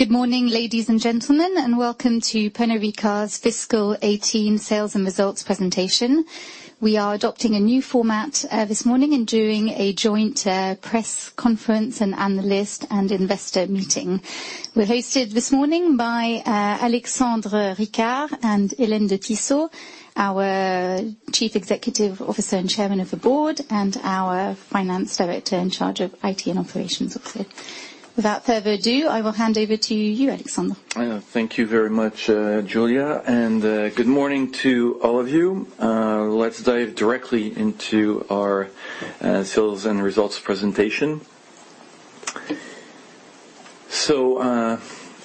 Good morning, ladies and gentlemen, and welcome to Pernod Ricard's fiscal 2018 sales and results presentation. We are adopting a new format this morning in doing a joint press conference and analyst and investor meeting. We are hosted this morning by Alexandre Ricard and Hélène de Tissot, our Chief Executive Officer and Chairman of the Board, and our Finance Director in charge of IT and operations also. Without further ado, I will hand over to you, Alexandre. Thank you very much, Julia, and good morning to all of you. Let's dive directly into our sales and results presentation. A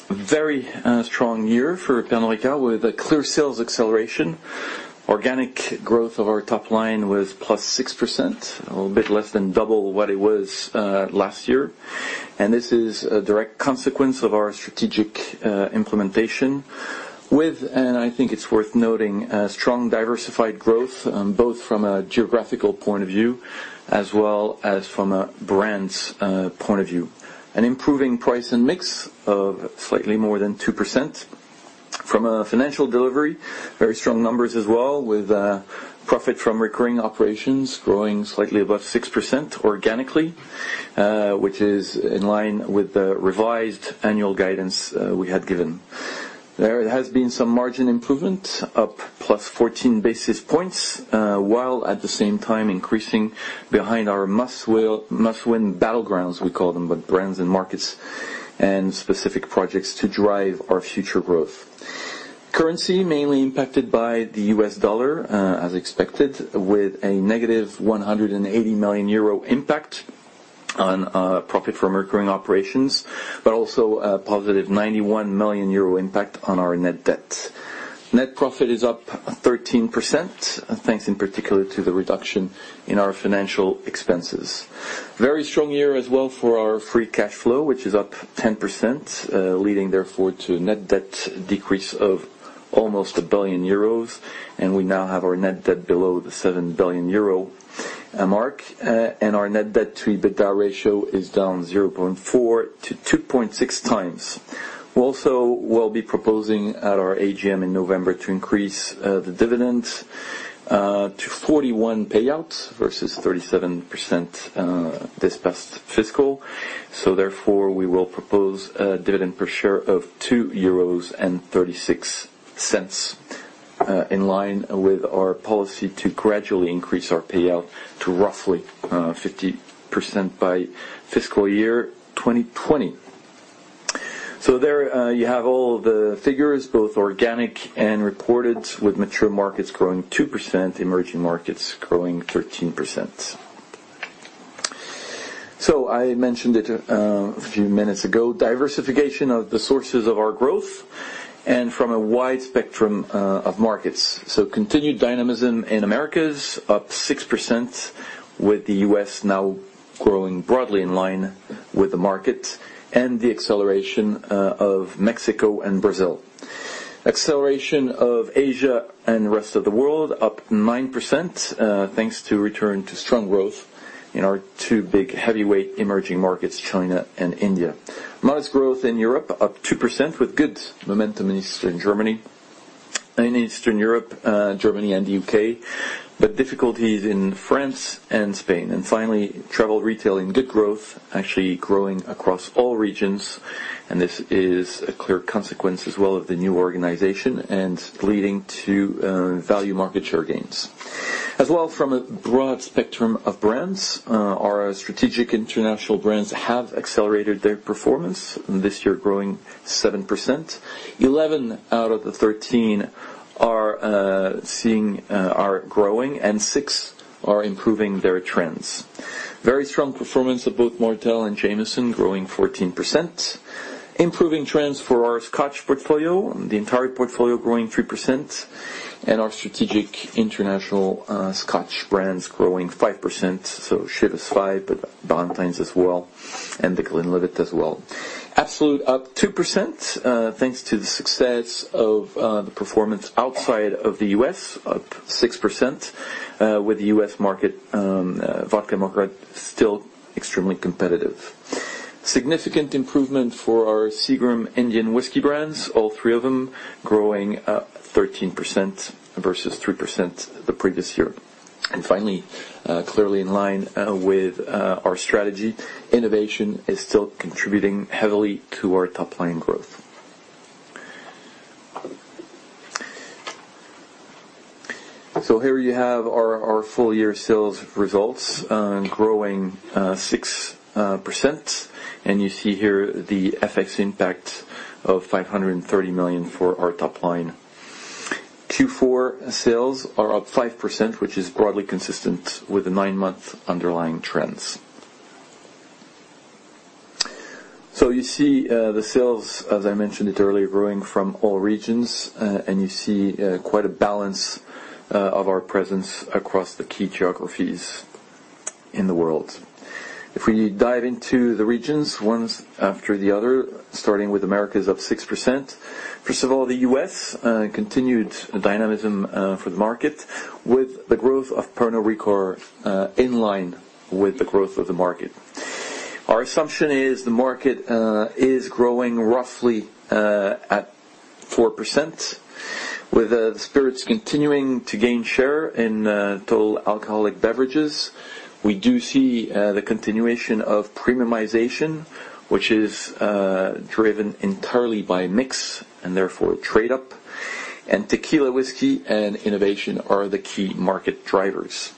very strong year for Pernod Ricard with a clear sales acceleration. Organic growth of our top line was +6%, a bit less than double what it was last year. This is a direct consequence of our strategic implementation with, and I think it is worth noting, strong diversified growth, both from a geographical point of view as well as from a brands point of view. An improving price and mix of slightly more than 2%. A financial delivery, very strong numbers as well, with profit from recurring operations growing slightly above 6% organically, which is in line with the revised annual guidance we had given. There has been some margin improvement, up +14 basis points, while at the same time increasing behind our must-win battlegrounds, we call them, with brands and markets and specific projects to drive our future growth. Currency mainly impacted by the U.S. dollar, as expected, with a negative 180 million euro impact on profit from recurring operations, but also a positive 91 million euro impact on our net debt. Net profit is up 13%, thanks in particular to the reduction in our financial expenses. Very strong year as well for our free cash flow, which is up 10%, leading therefore to net debt decrease of almost 1 billion euros. We now have our net debt below the 7 billion euro mark. Our net debt to EBITDA ratio is down 0.4 to 2.6 times. We also will be proposing at our AGM in November to increase the dividend to 41% payouts versus 37% this past fiscal. Therefore, we will propose a dividend per share of 2.36 euros, in line with our policy to gradually increase our payout to roughly 50% by fiscal year 2020. There you have all the figures, both organic and reported, with mature markets growing 2%, emerging markets growing 13%. I mentioned it a few minutes ago, diversification of the sources of our growth and from a wide spectrum of markets. Continued dynamism in Americas, up 6% with the U.S. now growing broadly in line with the market and the acceleration of Mexico and Brazil. Acceleration of Asia and the rest of the world up 9%, thanks to return to strong growth in our two big heavyweight emerging markets, China and India. Modest growth in Europe, up 2%, with good momentum in Germany, in Eastern Europe, Germany and U.K., but difficulties in France and Spain. Finally, travel retailing, good growth, actually growing across all regions. This is a clear consequence as well of the new organization and leading to value market share gains. Well, from a broad spectrum of brands, our strategic international brands have accelerated their performance, this year growing 7%. 11 out of the 13 are growing, and 6 are improving their trends. Very strong performance of both Martell and Jameson, growing 14%. Improving trends for our Scotch portfolio, the entire portfolio growing 3%, and our strategic international Scotch brands growing 5%. Chivas 5%, but Ballantine's as well, and Glenlivet as well. Absolut up 2%, thanks to the success of the performance outside of the U.S., up 6%, with the U.S. market, vodka market still extremely competitive. Significant improvement for our Seagram's Indian whisky brands, all three of them growing up 13% versus 3% the previous year. Finally, clearly in line with our strategy, innovation is still contributing heavily to our top line growth. Here you have our full year sales results, growing 6%. You see here the FX impact of 530 million for our top line. Q4 sales are up 5%, which is broadly consistent with the nine-month underlying trends. You see the sales, as I mentioned it earlier, growing from all regions. You see quite a balance of our presence across the key geographies in the world. If we dive into the regions, one after the other, starting with Americas up 6%. First of all, the U.S., continued dynamism for the market with the growth of Pernod Ricard in line with the growth of the market. Our assumption is the market is growing roughly at 4%, with spirits continuing to gain share in total alcoholic beverages. We do see the continuation of premiumization, which is driven entirely by mix and therefore trade up, and tequila, whiskey, and innovation are the key market drivers.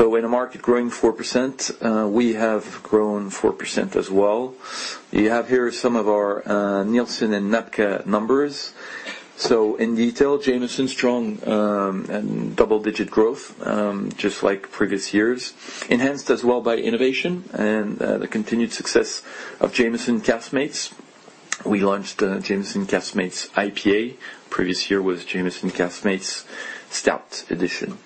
In a market growing 4%, we have grown 4% as well. You have here some of our Nielsen and NABCA numbers. In detail, Jameson, strong and double-digit growth, just like previous years, enhanced as well by innovation and the continued success of Jameson Caskmates. We launched Jameson Caskmates IPA. Previous year was Jameson Caskmates Stout edition.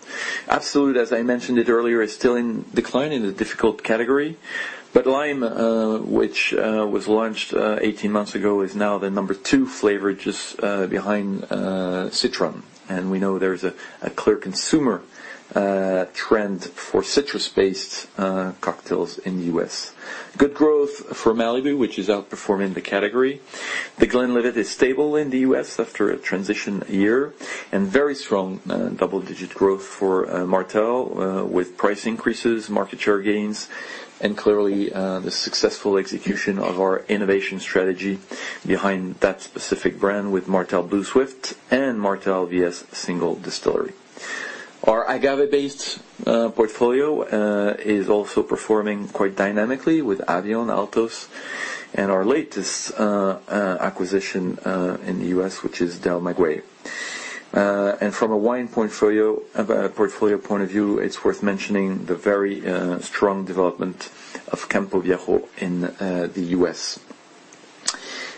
Absolut, as I mentioned it earlier, is still in decline in a difficult category. Lime, which was launched 18 months ago, is now the number 2 flavor, just behind citron. We know there's a clear consumer trend for citrus-based cocktails in the U.S. Good growth for Malibu, which is outperforming the category. The Glenlivet is stable in the U.S. after a transition year, and very strong double-digit growth for Martell, with price increases, market share gains, and clearly the successful execution of our innovation strategy behind that specific brand with Martell Blue Swift and Martell VS Single Distillery. Our agave-based portfolio is also performing quite dynamically with Avión, Altos, and our latest acquisition in the U.S., which is Del Maguey. From a wine portfolio point of view, it's worth mentioning the very strong development of Campo Viejo in the U.S.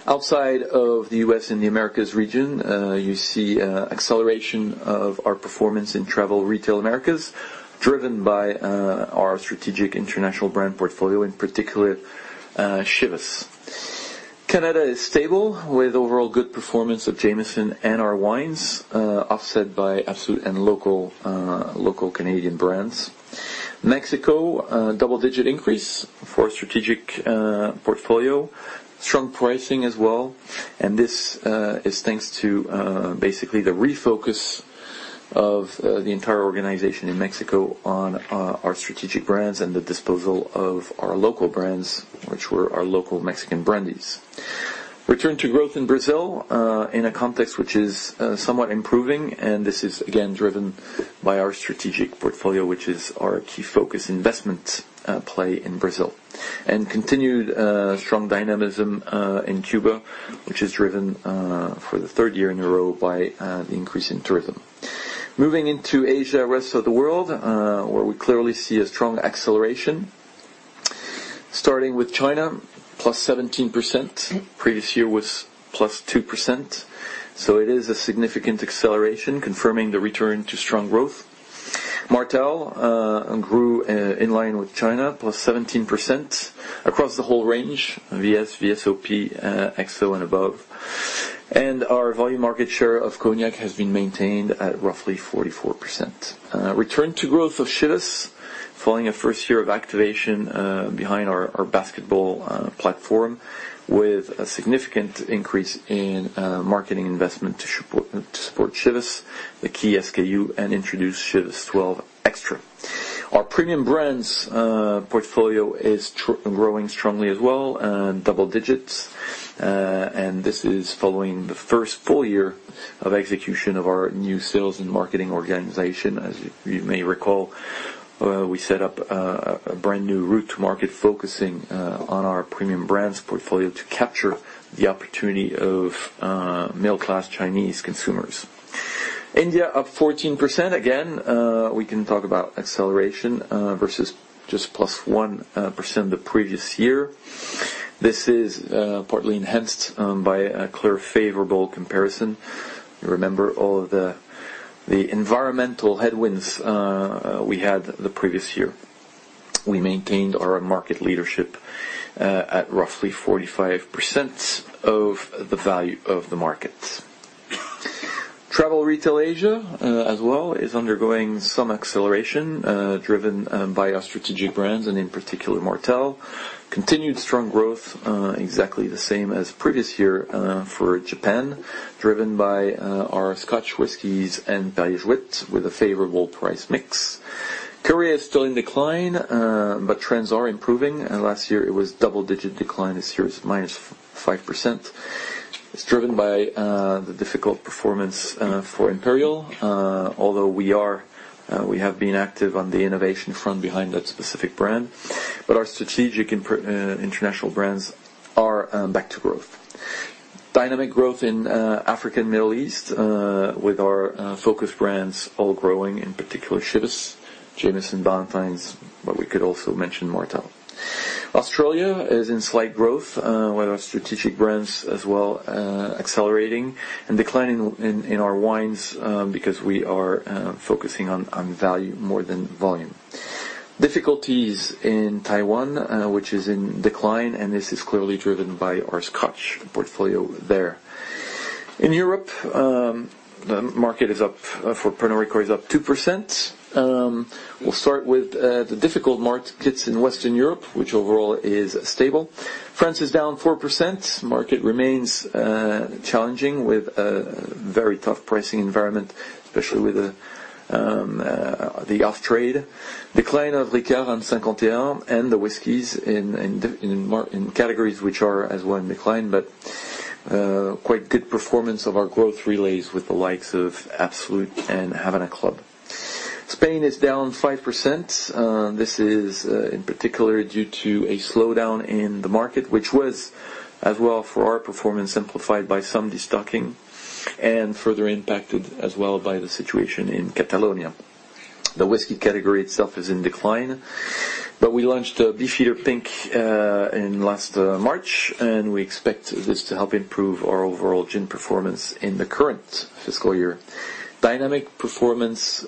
Outside of the U.S. and the Americas region, you see acceleration of our performance in travel retail Americas, driven by our strategic international brand portfolio, in particular Chivas. Canada is stable, with overall good performance of Jameson and our wines, offset by Absolut and local Canadian brands. Mexico, double-digit increase for strategic portfolio. Strong pricing as well, and this is thanks to basically the refocus of the entire organization in Mexico on our strategic brands and the disposal of our local brands, which were our local Mexican brandies. Return to growth in Brazil, in a context which is somewhat improving, and this is again driven by our strategic portfolio, which is our key focus investment play in Brazil. Continued strong dynamism in Cuba, which is driven for the third year in a row by the increase in tourism. Moving into Asia, rest of the world, where we clearly see a strong acceleration. Starting with China, +17%. Previous year was +2%, so it is a significant acceleration, confirming the return to strong growth. Martell grew in line with China, +17% across the whole range, VS, VSOP, XO, and above. Our volume market share of cognac has been maintained at roughly 44%. Return to growth of Chivas, following a first year of activation behind our basketball platform, with a significant increase in marketing investment to support Chivas, the key SKU, and introduce Chivas 12 Extra. Our premium brands portfolio is growing strongly as well, double digits, and this is following the first full year of execution of our new sales and marketing organization. As you may recall, we set up a brand new route to market focusing on our premium brands portfolio to capture the opportunity of middle-class Chinese consumers. India up 14%. We can talk about acceleration versus just +1% the previous year. This is partly enhanced by a clear favorable comparison. You remember all of the environmental headwinds we had the previous year. We maintained our market leadership at roughly 45% of the value of the market. Travel retail Asia, as well, is undergoing some acceleration, driven by our strategic brands, and in particular, Martell. Continued strong growth, exactly the same as previous year for Japan, driven by our Scotch whiskies and Perrier-Jouët with a favorable price mix. Korea is still in decline, but trends are improving. Last year, it was double-digit decline. This year, it's -5%. It's driven by the difficult performance for Imperial, although we have been active on the innovation front behind that specific brand. Our strategic international brands are back to growth. Dynamic growth in Africa and Middle East, with our focus brands all growing, in particular Chivas, Jameson, Ballantine's. We could also mention Martell. Australia is in slight growth, with our strategic brands as well accelerating. Declining in our wines because we are focusing on value more than volume. Difficulties in Taiwan, which is in decline. This is clearly driven by our Scotch portfolio there. In Europe, the market for Pernod Ricard is up 2%. We'll start with the difficult markets in Western Europe, which overall is stable. France is down 4%. Market remains challenging with a very tough pricing environment, especially with the off-trade. Decline of Ricard, Pastis 51, and the whiskeys in categories which are as well in decline. Quite good performance of our growth relays with the likes of Absolut and Havana Club. Spain is down 5%. This is in particular due to a slowdown in the market, which was as well for our performance, amplified by some destocking and further impacted as well by the situation in Catalonia. The whiskey category itself is in decline, we launched Beefeater Pink in last March, and we expect this to help improve our overall gin performance in the current fiscal year. Continued dynamic performance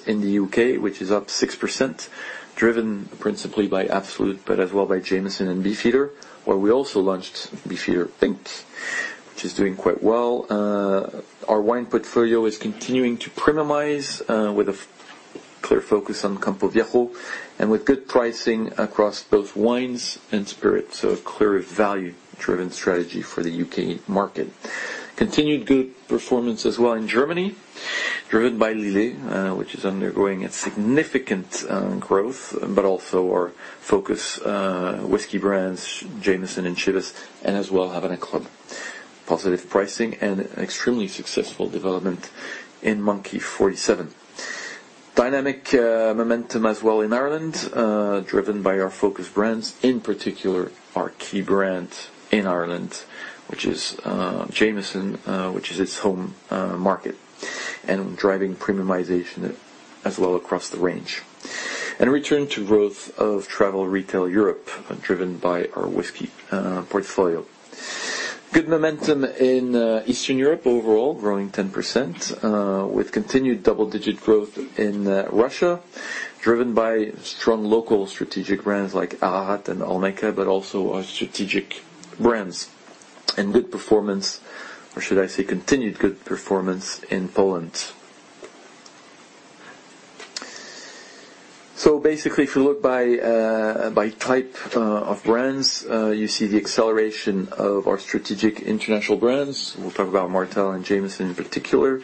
in the U.K., which is up 6%, driven principally by Absolut, as well by Jameson and Beefeater, where we also launched Beefeater Pink, which is doing quite well. Our wine portfolio is continuing to premiumize, with a clear focus on Campo Viejo and with good pricing across both wines and spirits. A clear value-driven strategy for the U.K. market. Continued good performance as well in Germany, driven by Lillet which is undergoing a significant growth, also our focus whiskey brands, Jameson and Chivas, and as well Havana Club. Positive pricing and extremely successful development in Monkey 47. Dynamic momentum as well in Ireland, driven by our focus brands, in particular our key brand in Ireland, which is Jameson, which is its home market, and driving premiumization as well across the range. Return to growth of Travel Retail Europe, driven by our whiskey portfolio. Good momentum in Eastern Europe overall, growing 10%, with continued double-digit growth in Russia, driven by strong local strategic brands like Ararat and Olmeca, also our strategic brands. Good performance, or should I say, continued good performance in Poland. Basically, if you look by type of brands, you see the acceleration of our strategic international brands. We'll talk about Martell and Jameson in particular,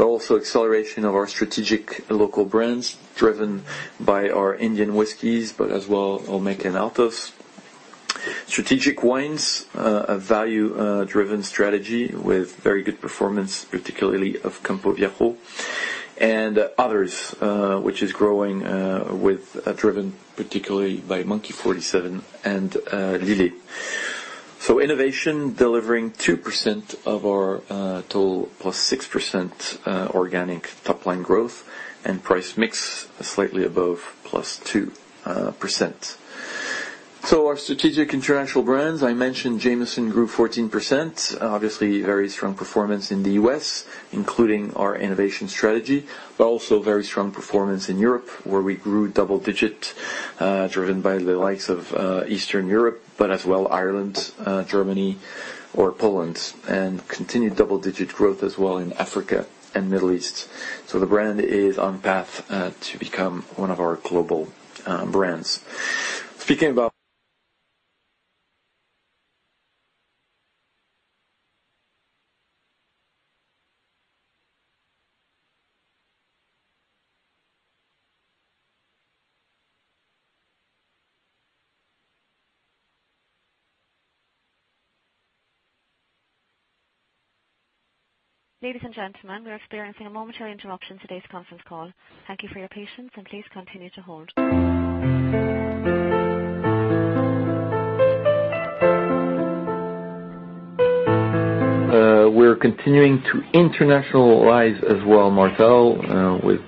also acceleration of our strategic local brands driven by our Indian whiskeys, as well Olmeca and Altos. Strategic wines, a value-driven strategy with very good performance, particularly of Campo Viejo. Others, which is growing, driven particularly by Monkey 47 and Lillet. Innovation delivering 2% of our total, +6% organic top-line growth, and price mix slightly above +2%. Our strategic international brands, I mentioned Jameson grew 14%. Obviously very strong performance in the U.S., including our innovation strategy, also very strong performance in Europe, where we grew double digit, driven by the likes of Eastern Europe, as well Ireland, Germany or Poland. Continued double-digit growth as well in Africa and Middle East. The brand is on path to become one of our global brands. Ladies and gentlemen, we're experiencing a momentary interruption to today's conference call. Thank you for your patience, and please continue to hold. We're continuing to internationalize as well Martell with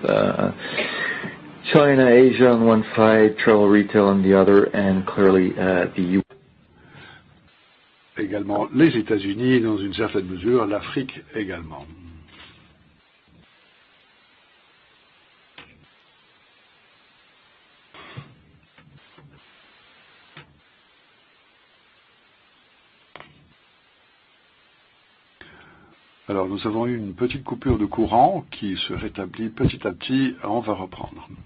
China, Asia on one side, travel retail on the other, clearly. Also the U.S. and to a certain extent, Africa as well. We had a small power cut which is gradually being restored. We will resume.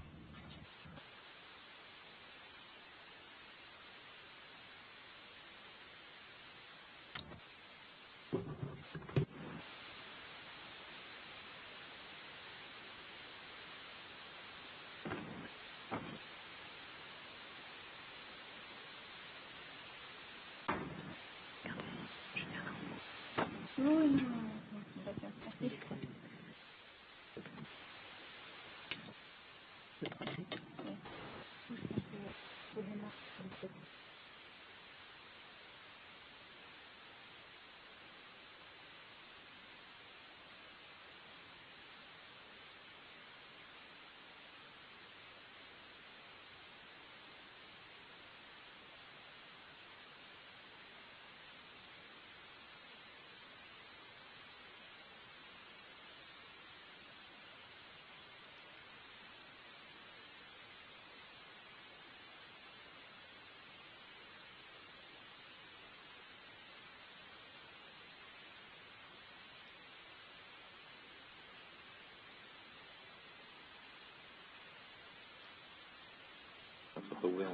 Ladies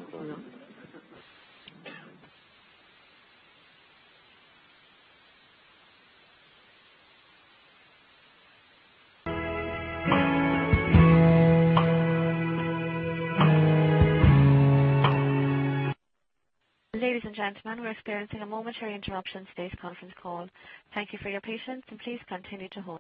and gentlemen, we're experiencing a momentary interruption in today's conference call. Thank you for your patience and please continue to hold.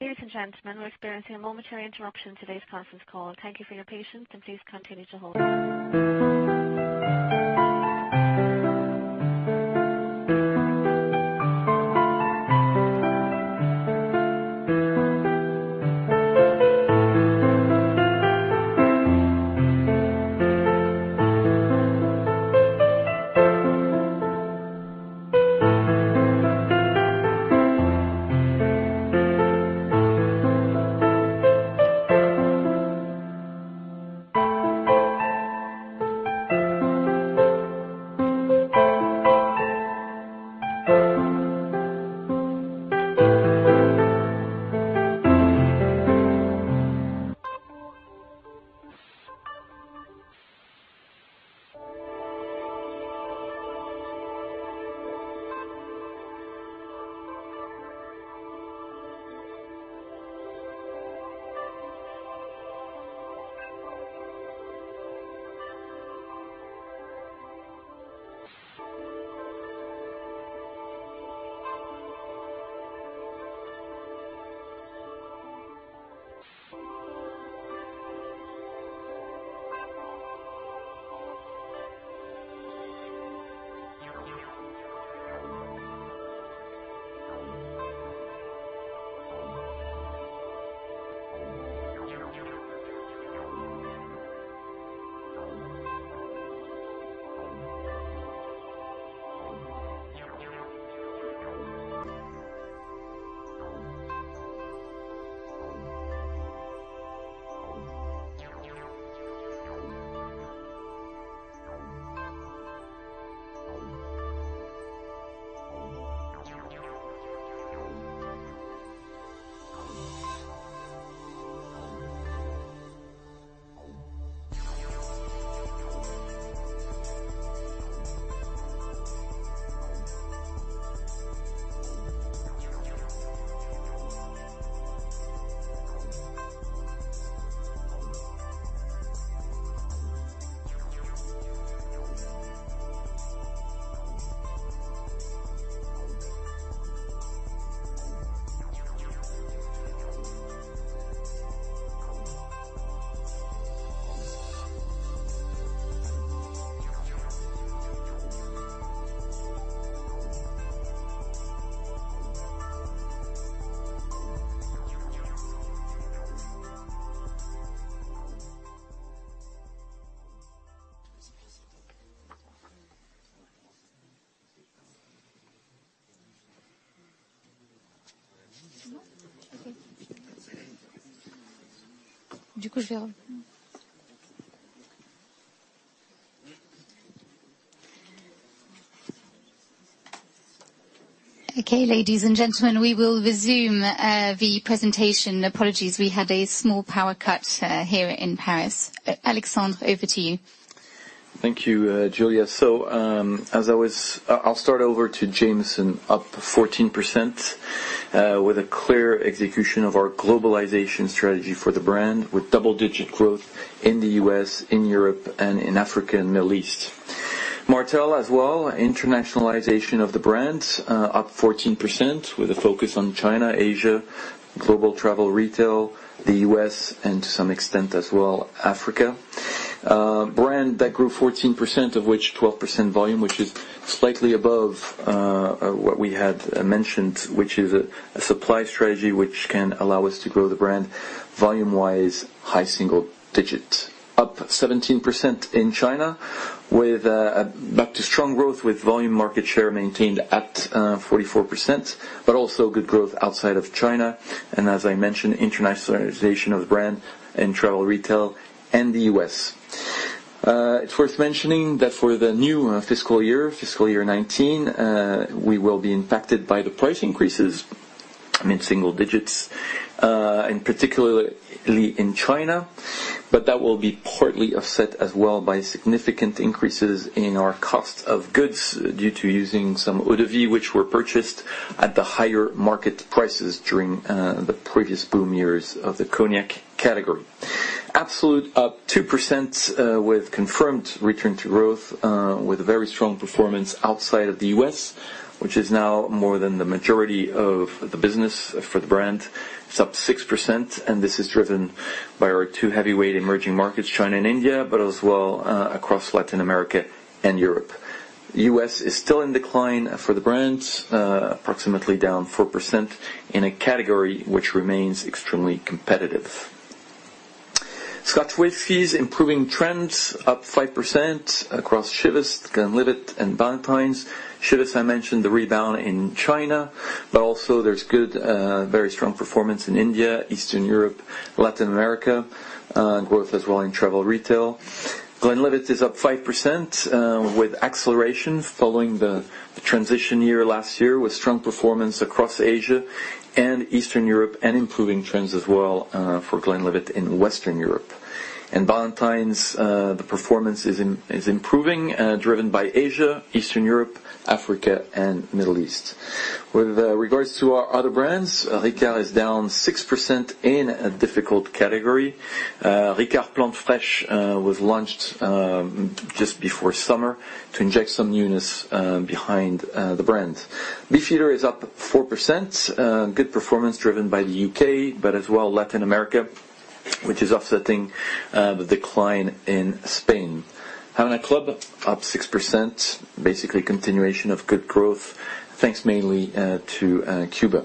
Ladies and gentlemen, we're experiencing a momentary interruption in today's conference call. Thank you for your patience and please continue to hold. Okay, ladies and gentlemen, we will resume the presentation. Apologies, we had a small power cut here in Paris. Alexandre, over to you. Thank you, Julia. I'll start over to Jameson, up 14% with a clear execution of our globalization strategy for the brand, with double-digit growth in the U.S., in Europe and in Africa and Middle East. Martell as well, internationalization of the brand up 14% with a focus on China, Asia, global travel retail, the U.S. and to some extent as well, Africa. Brand that grew 14%, of which 12% volume, which is slightly above what we had mentioned, which is a supply strategy which can allow us to grow the brand volume-wise high single digits. Up 17% in China with back to strong growth, with volume market share maintained at 44%, but also good growth outside of China. As I mentioned, internationalization of brand in travel retail and the U.S. It's worth mentioning that for the new fiscal year, fiscal year 2019, we will be impacted by the price increases, mid-single digits, and particularly in China, but that will be partly offset as well by significant increases in our cost of goods due to using some eau de vie which were purchased at the higher market prices during the previous boom years of the cognac category. Absolut up 2% with confirmed return to growth, with a very strong performance outside of the U.S., which is now more than the majority of the business for the brand. It's up 6% and this is driven by our two heavyweight emerging markets, China and India, but as well across Latin America and Europe. U.S. is still in decline for the brand, approximately down 4% in a category which remains extremely competitive. Scotch whiskies, improving trends up 5% across Chivas, Glenlivet and Ballantine's. Chivas, I mentioned the rebound in China, there's very strong performance in India, Eastern Europe, Latin America. Growth as well in travel retail. Glenlivet is up 5% with acceleration following the transition year last year with strong performance across Asia and Eastern Europe, and improving trends as well for Glenlivet in Western Europe. Ballantine's, the performance is improving, driven by Asia, Eastern Europe, Africa and Middle East. With regards to our other brands, Ricard is down 6% in a difficult category. Ricard Plantes Fraîches was launched just before summer to inject some newness behind the brand. Beefeater is up 4%. Good performance driven by the U.K., as well Latin America, which is offsetting the decline in Spain. Havana Club up 6%. Basically continuation of good growth, thanks mainly to Cuba.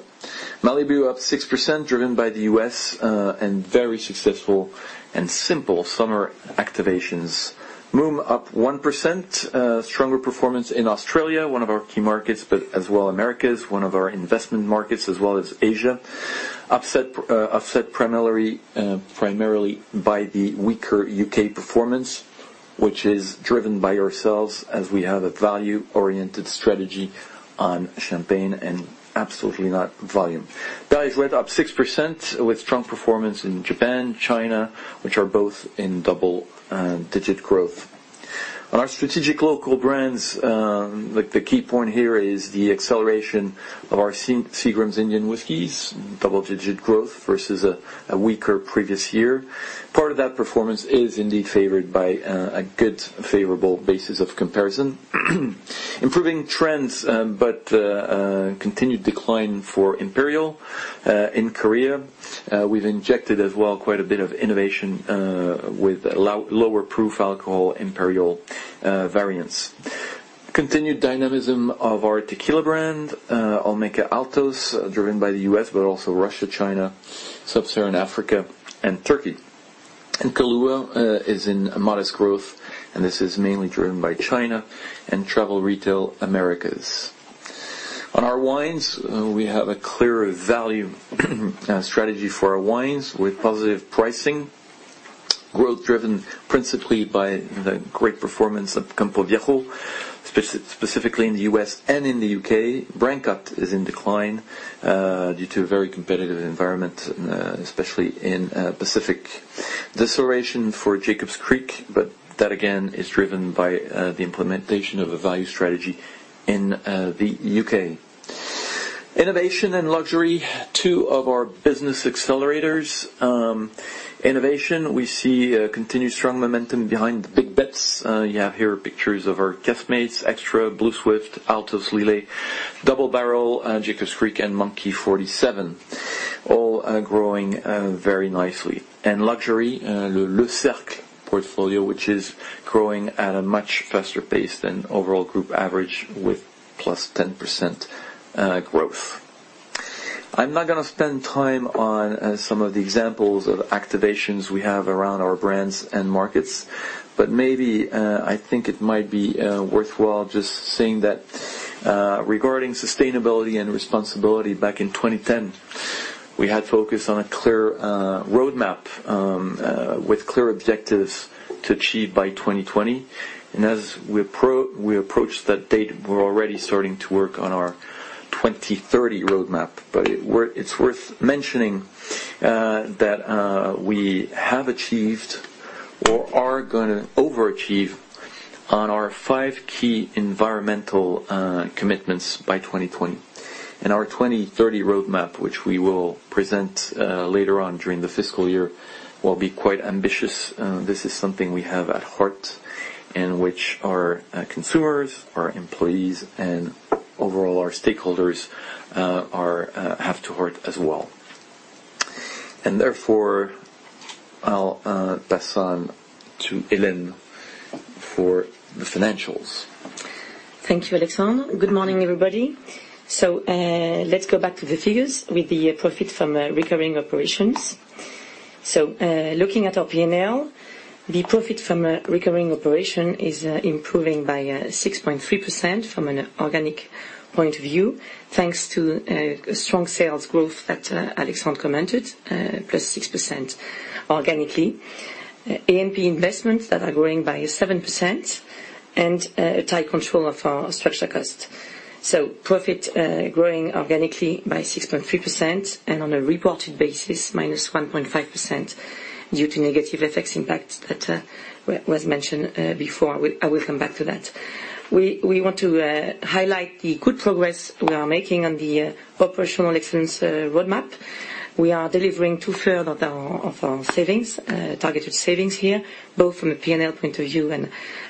Malibu up 6% driven by the U.S., and very successful and simple summer activations. Mumm up 1%. Stronger performance in Australia, one of our key markets, as well Americas, one of our investment markets as well as Asia. Offset primarily by the weaker U.K. performance, which is driven by ourselves as we have a value-oriented strategy on champagne and absolutely not volume. up 6% with strong performance in Japan, China, which are both in double-digit growth. On our strategic local brands, the key point here is the acceleration of our Seagram's Indian whiskies, double-digit growth versus a weaker previous year. Part of that performance is indeed favored by a good favorable basis of comparison. Improving trends but a continued decline for Imperial in Korea. We've injected as well quite a bit of innovation with lower proof alcohol Imperial variants. Continued dynamism of our tequila brand, Olmeca Altos, driven by the U.S., but also Russia, China, sub-Saharan Africa and Turkey. Kahlúa is in modest growth, and this is mainly driven by China and travel retail Americas. On our wines, we have a clear value strategy for our wines with positive pricing. Growth driven principally by the great performance of Campo Viejo, specifically in the U.S. and in the U.K. Brancott is in decline due to a very competitive environment, especially in Pacific. Deceleration for Jacob's Creek, that again, is driven by the implementation of a value strategy in the U.K. Innovation and luxury, two of our business accelerators. Innovation, we see a continued strong momentum behind the big bets. You have here pictures of our Caskmates, Extra, Blue Swift, Altos, Lillet, Double Barrel, Jacob's Creek, and Monkey 47. All growing very nicely. Luxury, Le Cercle portfolio, which is growing at a much faster pace than overall group average with plus 10% growth. I'm not going to spend time on some of the examples of activations we have around our brands and markets, I think it might be worthwhile just saying that, regarding sustainability and responsibility back in 2010 We had focus on a clear roadmap with clear objectives to achieve by 2020. As we approach that date, we're already starting to work on our 2030 roadmap. It's worth mentioning that we have achieved or are going to overachieve on our five key environmental commitments by 2020. Our 2030 roadmap, which we will present later on during the fiscal year, will be quite ambitious. This is something we have at heart and which our consumers, our employees, and overall our stakeholders have to heart as well. Therefore, I'll pass on to Hélène for the financials. Thank you, Alexandre. Good morning, everybody. Let's go back to the figures with the profit from recurring operations. Looking at our P&L, the profit from recurring operation is improving by 6.3% from an organic point of view, thanks to strong sales growth that Alexandre commented, plus 6% organically. A&P investments that are growing by 7% and a tight control of our structural costs. Profit growing organically by 6.3% and on a reported basis, minus 1.5% due to negative FX impact that was mentioned before. I will come back to that. We want to highlight the good progress we are making on the operational excellence roadmap. We are delivering two-thirds of our savings, targeted savings here, both from a P&L point of view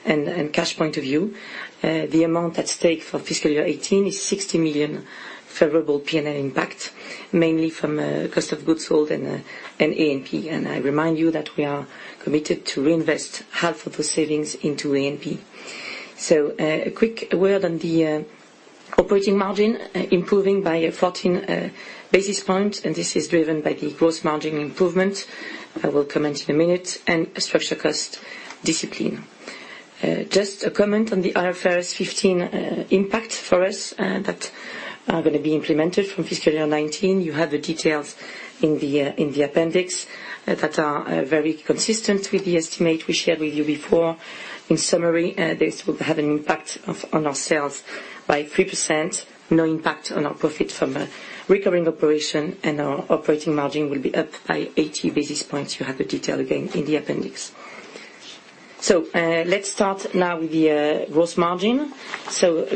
and cash point of view. The amount at stake for FY 2018 is 60 million favorable P&L impact, mainly from cost of goods sold and A&P. I remind you that we are committed to reinvest half of the savings into A&P. A quick word on the operating margin, improving by 14 basis points, and this is driven by the gross margin improvement. I will comment in a minute, and structural cost discipline. Just a comment on the IFRS 15 impact for us that are going to be implemented from FY 2019. You have the details in the appendix that are very consistent with the estimate we shared with you before. In summary, this will have an impact on our sales by 3%, no impact on our profit from recurring operation, and our operating margin will be up by 80 basis points. You have the detail again in the appendix. Let's start now with the gross margin.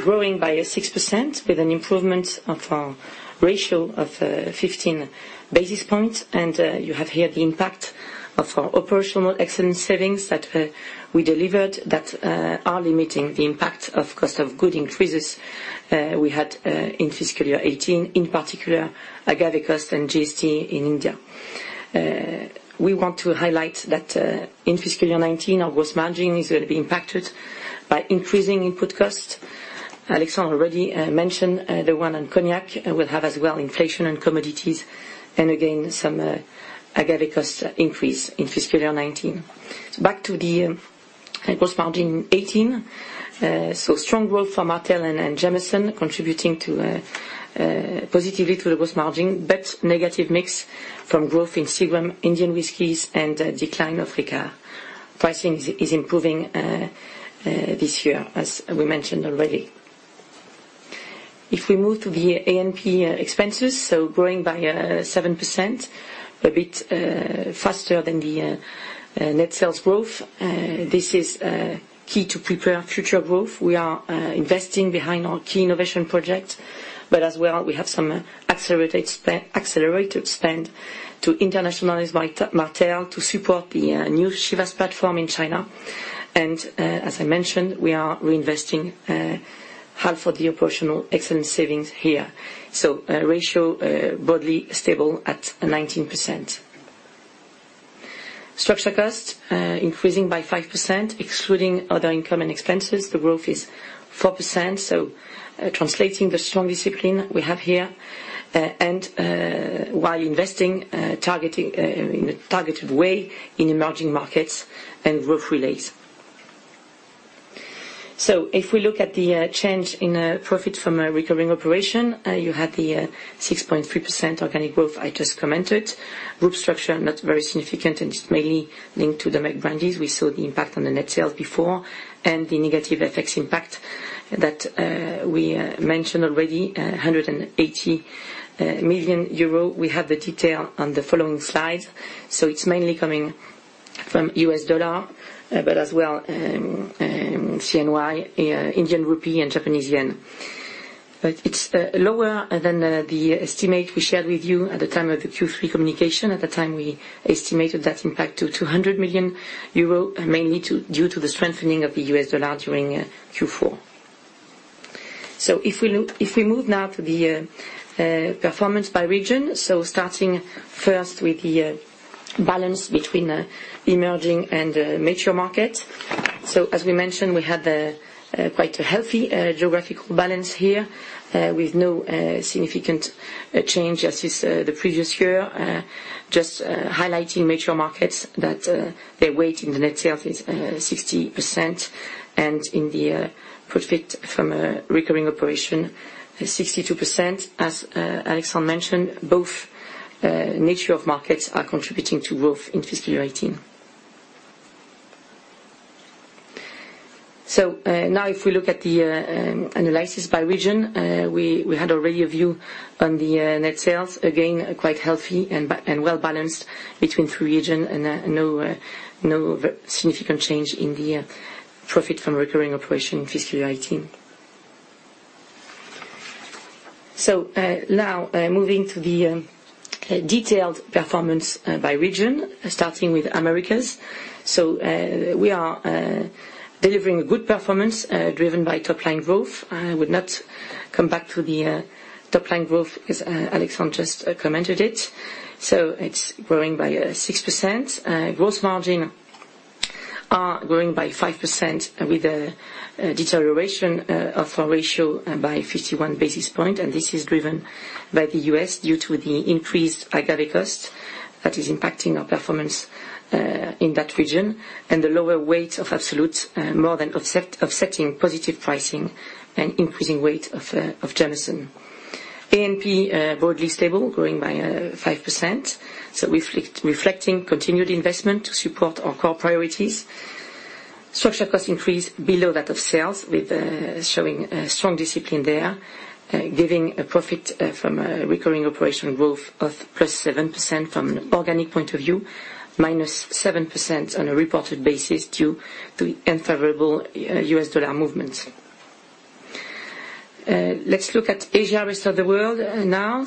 Growing by 6% with an improvement of our ratio of 15 basis points. You have here the impact of our operational excellence savings that we delivered that are limiting the impact of cost of goods increases we had in FY 2018, in particular agave cost and GST in India. We want to highlight that in FY 2019, our gross margin is going to be impacted by increasing input cost. Alexandre already mentioned the one on cognac. We'll have as well inflation and commodities, and again, some agave cost increase in FY 2019. Back to the gross margin 2018. Strong growth for Martell and Jameson contributing positively to the gross margin, but negative mix from growth in Seagram's, Indian whiskies, and decline of Ricard. Pricing is improving this year, as we mentioned already. If we move to the A&P expenses, growing by 7%, a bit faster than the net sales growth. This is key to prepare future growth. We are investing behind our key innovation project, but as well, we have some accelerated spend to internationalize Martell to support the new Chivas platform in China. As I mentioned, we are reinvesting half of the operational excellence savings here. Ratio broadly stable at 19%. Structural costs increasing by 5%, excluding other income and expenses, the growth is 4%. Translating the strong discipline we have here and while investing in a targeted way in emerging markets and growth relays. If we look at the change in profit from a recurring operation, you had the 6.3% organic growth I just commented. Group structure not very significant and it's mainly linked to the Mexican brandies. We saw the impact on the net sales before, the negative FX impact that we mentioned already, 180 million euro. We have the detail on the following slide. It's mainly coming from US dollar, but as well CNY, Indian rupee, and Japanese yen. It's lower than the estimate we shared with you at the time of the Q3 communication. At the time, we estimated that impact to 200 million euro, mainly due to the strengthening of the US dollar during Q4. If we move now to the performance by region, starting first with the balance between emerging and mature markets. As we mentioned, we had quite a healthy geographical balance here with no significant change as is the previous year. Just highlighting mature markets that their weight in the net sales is 60% and in the profit from a recurring operation is 62%. As Alexandre mentioned, both nature of markets are contributing to growth in fiscal year 2018. If we look at the analysis by region, we had already a view on the net sales. Again, quite healthy and well balanced between three regions and no significant change in the profit from recurring operation in fiscal year 2018. Moving to the detailed performance by region, starting with Americas. We are delivering a good performance driven by top-line growth. I would not come back to the top-line growth because Alexandre just commented it. It's growing by 6%. Gross margins are growing by 5% with a deterioration of our ratio by 51 basis points. This is driven by the U.S. due to the increased agave cost that is impacting our performance in that region. The lower weight of Absolut more than offsetting positive pricing and increasing weight of Jameson. A&P, broadly stable, growing by 5%. Reflecting continued investment to support our core priorities. Structural cost increase below that of sales with showing strong discipline there, giving a profit from recurring operation growth of +7% from an organic point of view, -7% on a reported basis due to unfavorable U.S. dollar movements. Let's look at Asia rest of the world now.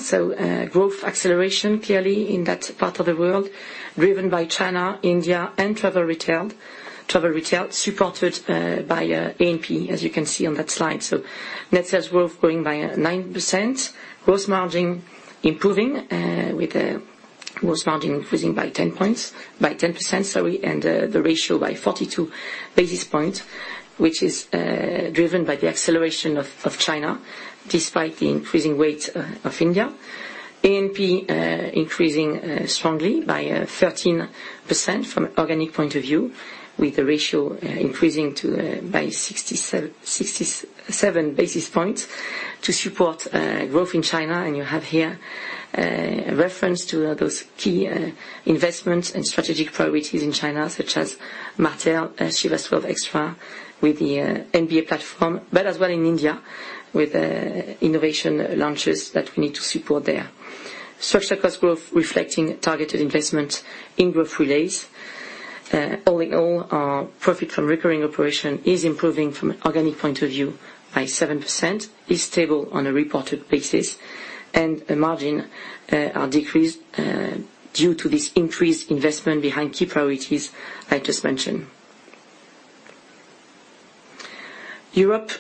Growth acceleration clearly in that part of the world, driven by China, India, and travel retail. Travel retail supported by A&P, as you can see on that slide. Net sales growth growing by 9%, gross margin improving, with gross margin increasing by 10 points, by 10%, and the ratio by 42 basis points, which is driven by the acceleration of China despite the increasing weight of India. A&P increasing strongly by 13% from an organic point of view with the ratio increasing by 67 basis points to support growth in China. You have here a reference to those key investments and strategic priorities in China such as Martell, Chivas Extra with the NBA platform, but as well in India with innovation launches that we need to support there. Structural cost growth reflecting targeted investments in growth relays. All in all, our profit from recurring operation is improving from an organic point of view by 7%, is stable on a reported basis, and the margin are decreased due to this increased investment behind key priorities I just mentioned. Europe,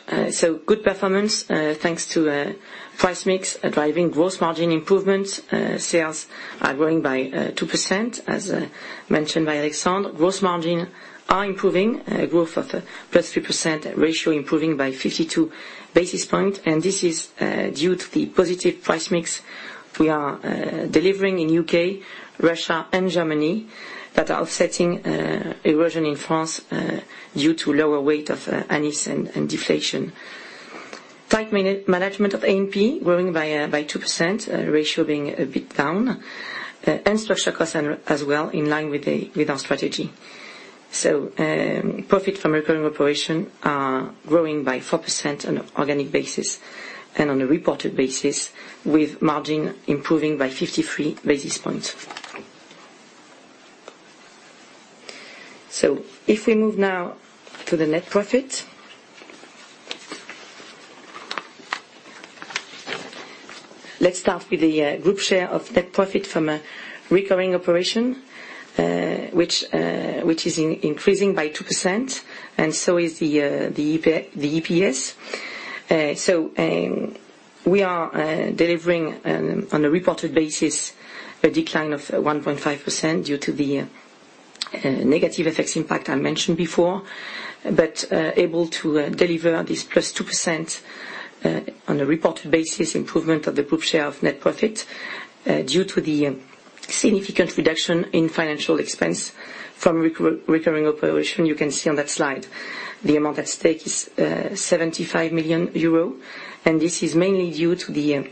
good performance, thanks to price mix driving gross margin improvements. Sales are growing by 2%, as mentioned by Alexandre. Gross margins are improving growth of +3%, ratio improving by 52 basis points. This is due to the positive price mix we are delivering in U.K., Russia, and Germany that are offsetting erosion in France due to lower weight of Anise and deflation. Tight management of A&P growing by 2%, ratio being a bit down. Structural costs as well in line with our strategy. Profit from recurring operation is growing by 4% on an organic basis and on a reported basis with margin improving by 53 basis points. If we move now to the net profit, let's start with the group share of net profit from a recurring operation, which is increasing by 2% and so is the EPS. We are delivering on a reported basis a decline of 1.5% due to the negative FX impact I mentioned before, but able to deliver this +2% on a reported basis improvement of the group share of net profit due to the significant reduction in financial expense from recurring operation. You can see on that slide the amount at stake is 75 million euro, and this is mainly due to the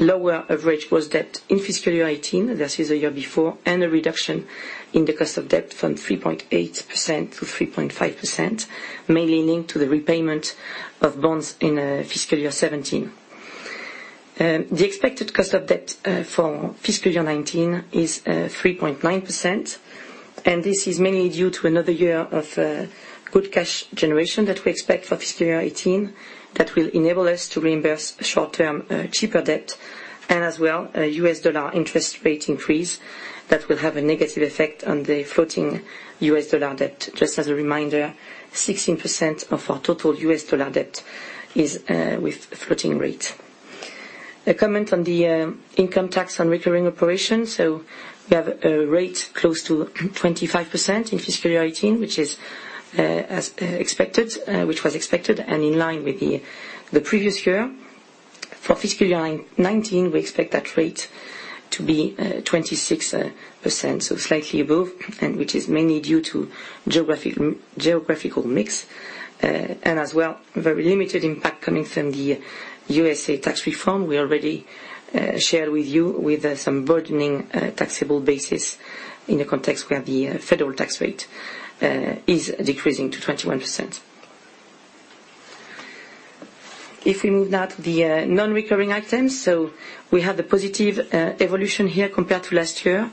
lower average gross debt in fiscal year 2018, that is the year before, and a reduction in the cost of debt from 3.8% to 3.5%, mainly linked to the repayment of bonds in fiscal year 2017. The expected cost of debt for fiscal year 2019 is 3.9%, and this is mainly due to another year of good cash generation that we expect for fiscal year 2018 that will enable us to reimburse short-term, cheaper debt and as well a U.S. dollar interest rate increase that will have a negative effect on the floating U.S. dollar debt. Just as a reminder, 16% of our total U.S. dollar debt is with floating rate. A comment on the income tax on recurring operations. We have a rate close to 25% in fiscal year 2018, which was expected and in line with the previous year. For fiscal year 2019, we expect that rate to be 26%, slightly above, and which is mainly due to geographical mix. And as well, very limited impact coming from the U.S.A. tax reform. We already shared with you with some burdening taxable bases in a context where the federal tax rate is decreasing to 21%. If we move now to the non-recurring items. We have the positive evolution here compared to last year,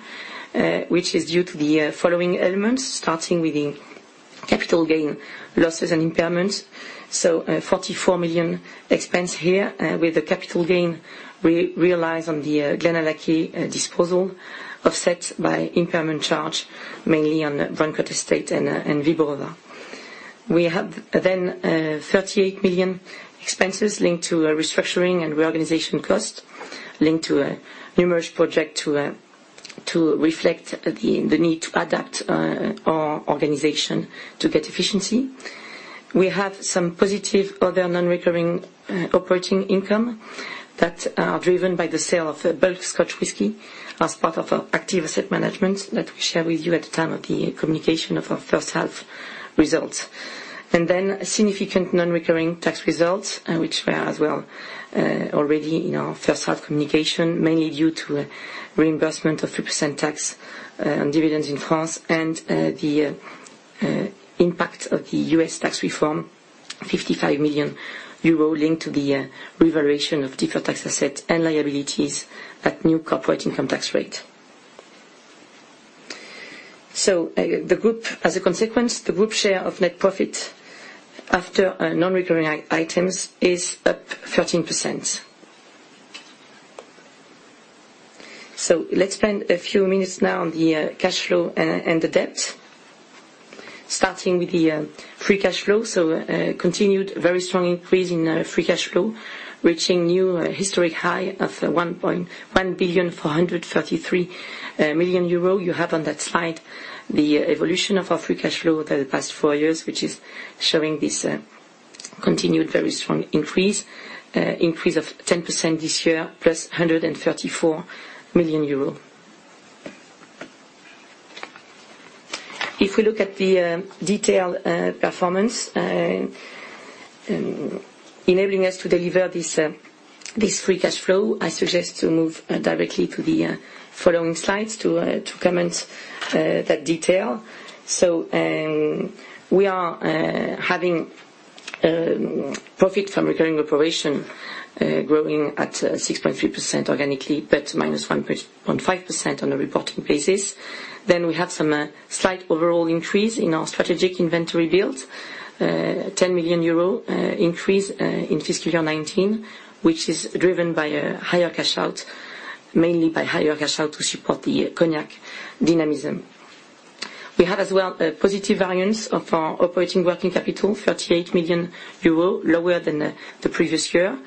which is due to the following elements, starting with the capital gain losses and impairments. A 44 million expense here with the capital gain realized on the Glenallachie disposal offset by impairment charge, mainly on the Brancott Estate and Wyborowa. We have 38 million expenses linked to a restructuring and reorganization cost, linked to a numerous project to reflect the need to adapt our organization to get efficiency. We have some positive other non-recurring operating income that are driven by the sale of the bulk Scotch whisky as part of our active asset management that we share with you at the time of the communication of our first half results. Significant non-recurring tax results, which were as well already in our first half communication, mainly due to a reimbursement of 3% tax on dividends in France and the impact of the U.S. tax reform, 55 million euro linked to the revaluation of deferred tax assets and liabilities at new corporate income tax rate. As a consequence, the group share of net profit after non-recurring items is up 13%. Let's spend a few minutes now on the cash flow and the debt, starting with the free cash flow. A continued very strong increase in free cash flow, reaching new historic high of 1.1 billion 433 million. You have on that slide the evolution of our free cash flow over the past four years, which is showing this continued very strong increase. Increase of 10% this year, plus 134 million euro. If we look at the detailed performance enabling us to deliver this free cash flow, I suggest to move directly to the following slides to comment that detail. We are having profit from recurring operation growing at 6.3% organically, but -1.5% on a reporting basis. We have some slight overall increase in our strategic inventory build, a 10 million euro increase in fiscal year 2019, which is driven by a higher cash out, mainly by higher cash out to support the cognac dynamism. We have as well a positive variance of our operating working capital, 38 million euro lower than the previous year.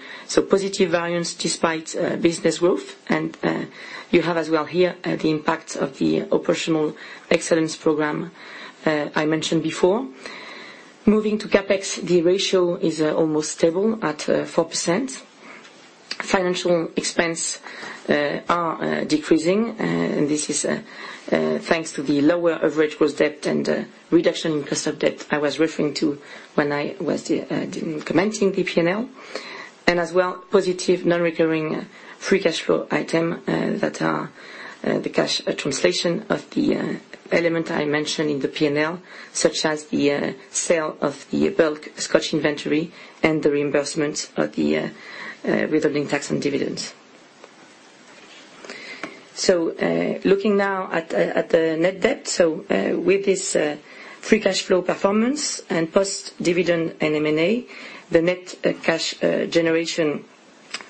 Positive variance despite business growth. You have as well here the impact of the operational excellence program I mentioned before. Moving to CapEx, the ratio is almost stable at 4%. Financial expense are decreasing, and this is thanks to the lower average gross debt and reduction in cost of debt I was referring to when I was commenting the P&L. As well, positive non-recurring free cash flow item that are the cash translation of the element I mentioned in the P&L, such as the sale of the bulk Scotch inventory and the reimbursement of the withholding tax and dividends. Looking now at the net debt. With this free cash flow performance and post-dividend and M&A, the net cash generation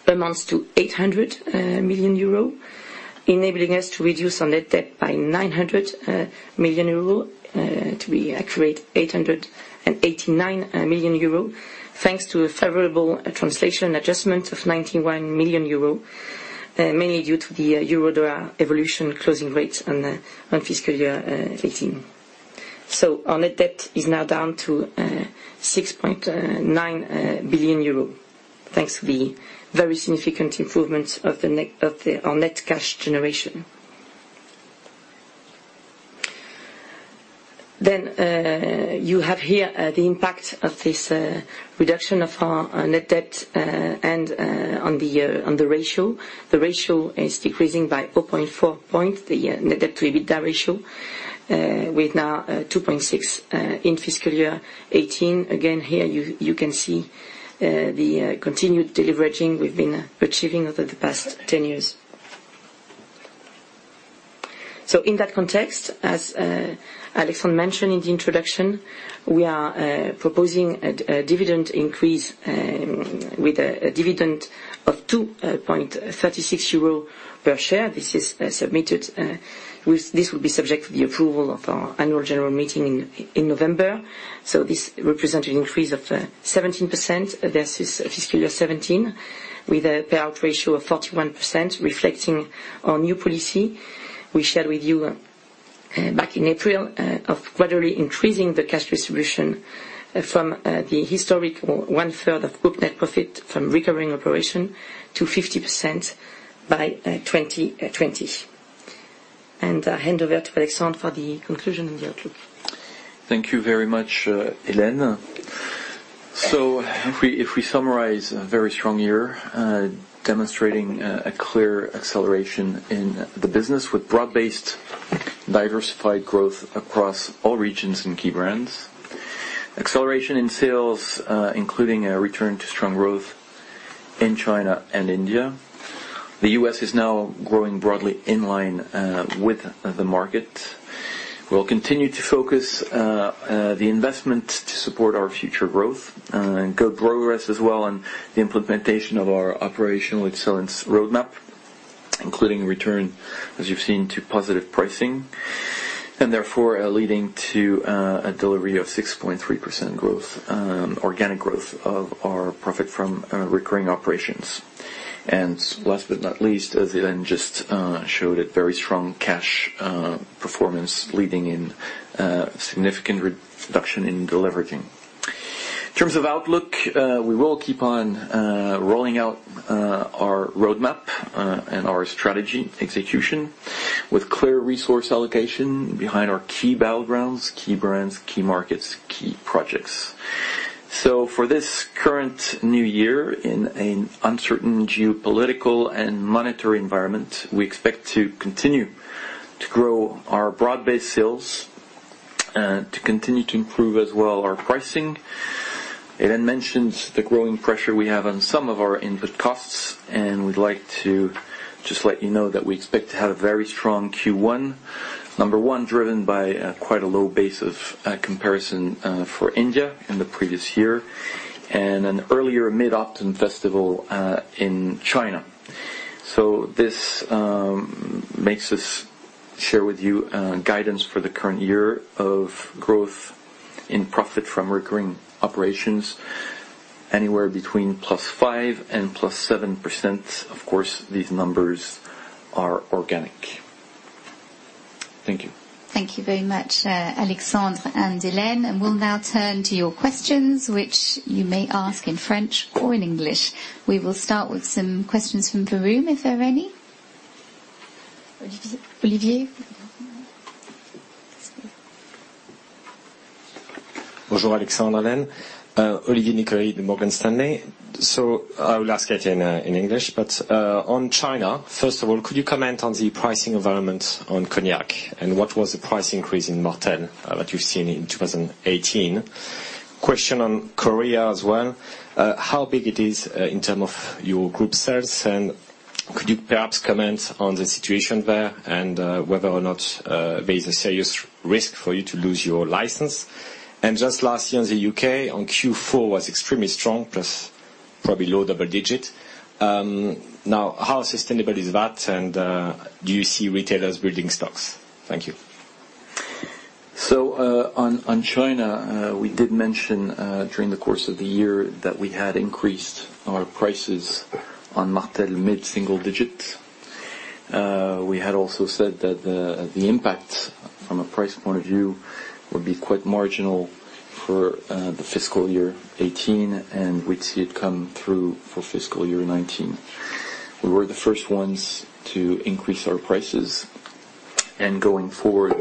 amounts to 800 million euro, enabling us to reduce our net debt by 900 million euro, to be accurate, 889 million euro, thanks to a favorable translation adjustment of 91 million euro, mainly due to the euro-dollar evolution closing rates on fiscal year 2018. Our net debt is now down to 6.9 billion euro, thanks to the very significant improvements of our net cash generation. You have here the impact of this reduction of our net debt and on the ratio. The ratio is decreasing by 0.4 point, the net debt to EBITDA ratio, with now 2.6 in fiscal year 2018. Again, here you can see the continued deleveraging we've been achieving over the past 10 years. In that context, as Alexandre mentioned in the introduction, we are proposing a dividend increase with a dividend of 2.36 euro per share. This will be subject to the approval of our annual general meeting in November. This represents an increase of 17% versus fiscal year 2017, with a payout ratio of 41%, reflecting our new policy we shared with you back in April of gradually increasing the cash distribution from the historic one-third of group net profit from recurring operation to 50% by 2020. I hand over to Alexandre for the conclusion and the outlook. Thank you very much, Hélène. If we summarize a very strong year, demonstrating a clear acceleration in the business with broad-based diversified growth across all regions and key brands. Acceleration in sales including a return to strong growth in China and India. The U.S. is now growing broadly in line with the market. We'll continue to focus the investment to support our future growth and good progress as well on the implementation of our operational excellence roadmap, including return, as you've seen, to positive pricing. Therefore, leading to a delivery of 6.3% growth, organic growth of our profit from recurring operations. Last but not least, Hélène just showed a very strong cash performance leading in significant reduction in deleveraging. In terms of outlook, we will keep on rolling out our roadmap and our strategy execution with clear resource allocation behind our key battlegrounds, key brands, key markets, key projects. For this current new year, in an uncertain geopolitical and monetary environment, we expect to continue to grow our broad-based sales, to continue to improve as well our pricing. Hélène mentioned the growing pressure we have on some of our input costs, we'd like to just let you know that we expect to have a very strong Q1. Number 1, driven by quite a low base of comparison for India in the previous year and an earlier mid-autumn festival in China. This makes us share with you guidance for the current year of growth in profit from recurring operations anywhere between +5% and +7%. Of course, these numbers are organic. Thank you. Thank you very much, Alexandre and Hélène. We'll now turn to your questions, which you may ask in French or in English. We will start with some questions from the room, if there are any. Olivier? Bonjour, Alexandre, Helene. Olivier Nicolai with Morgan Stanley. I will ask it in English, but on China, first of all, could you comment on the pricing environment on cognac and what was the price increase in Martell that you've seen in 2018? Question on Korea as well. How big it is in terms of your group sales, and could you perhaps comment on the situation there and whether or not there is a serious risk for you to lose your license? Just lastly, on the U.K., on Q4 was extremely strong, plus probably low double digit. How sustainable is that and do you see retailers building stocks? Thank you. On China, we did mention during the course of the year that we had increased our prices on Martell mid-single digit. We had also said that the impact from a price point of view would be quite marginal for the fiscal year 2018, and we'd see it come through for fiscal year 2019. We were the first ones to increase our prices. Going forward,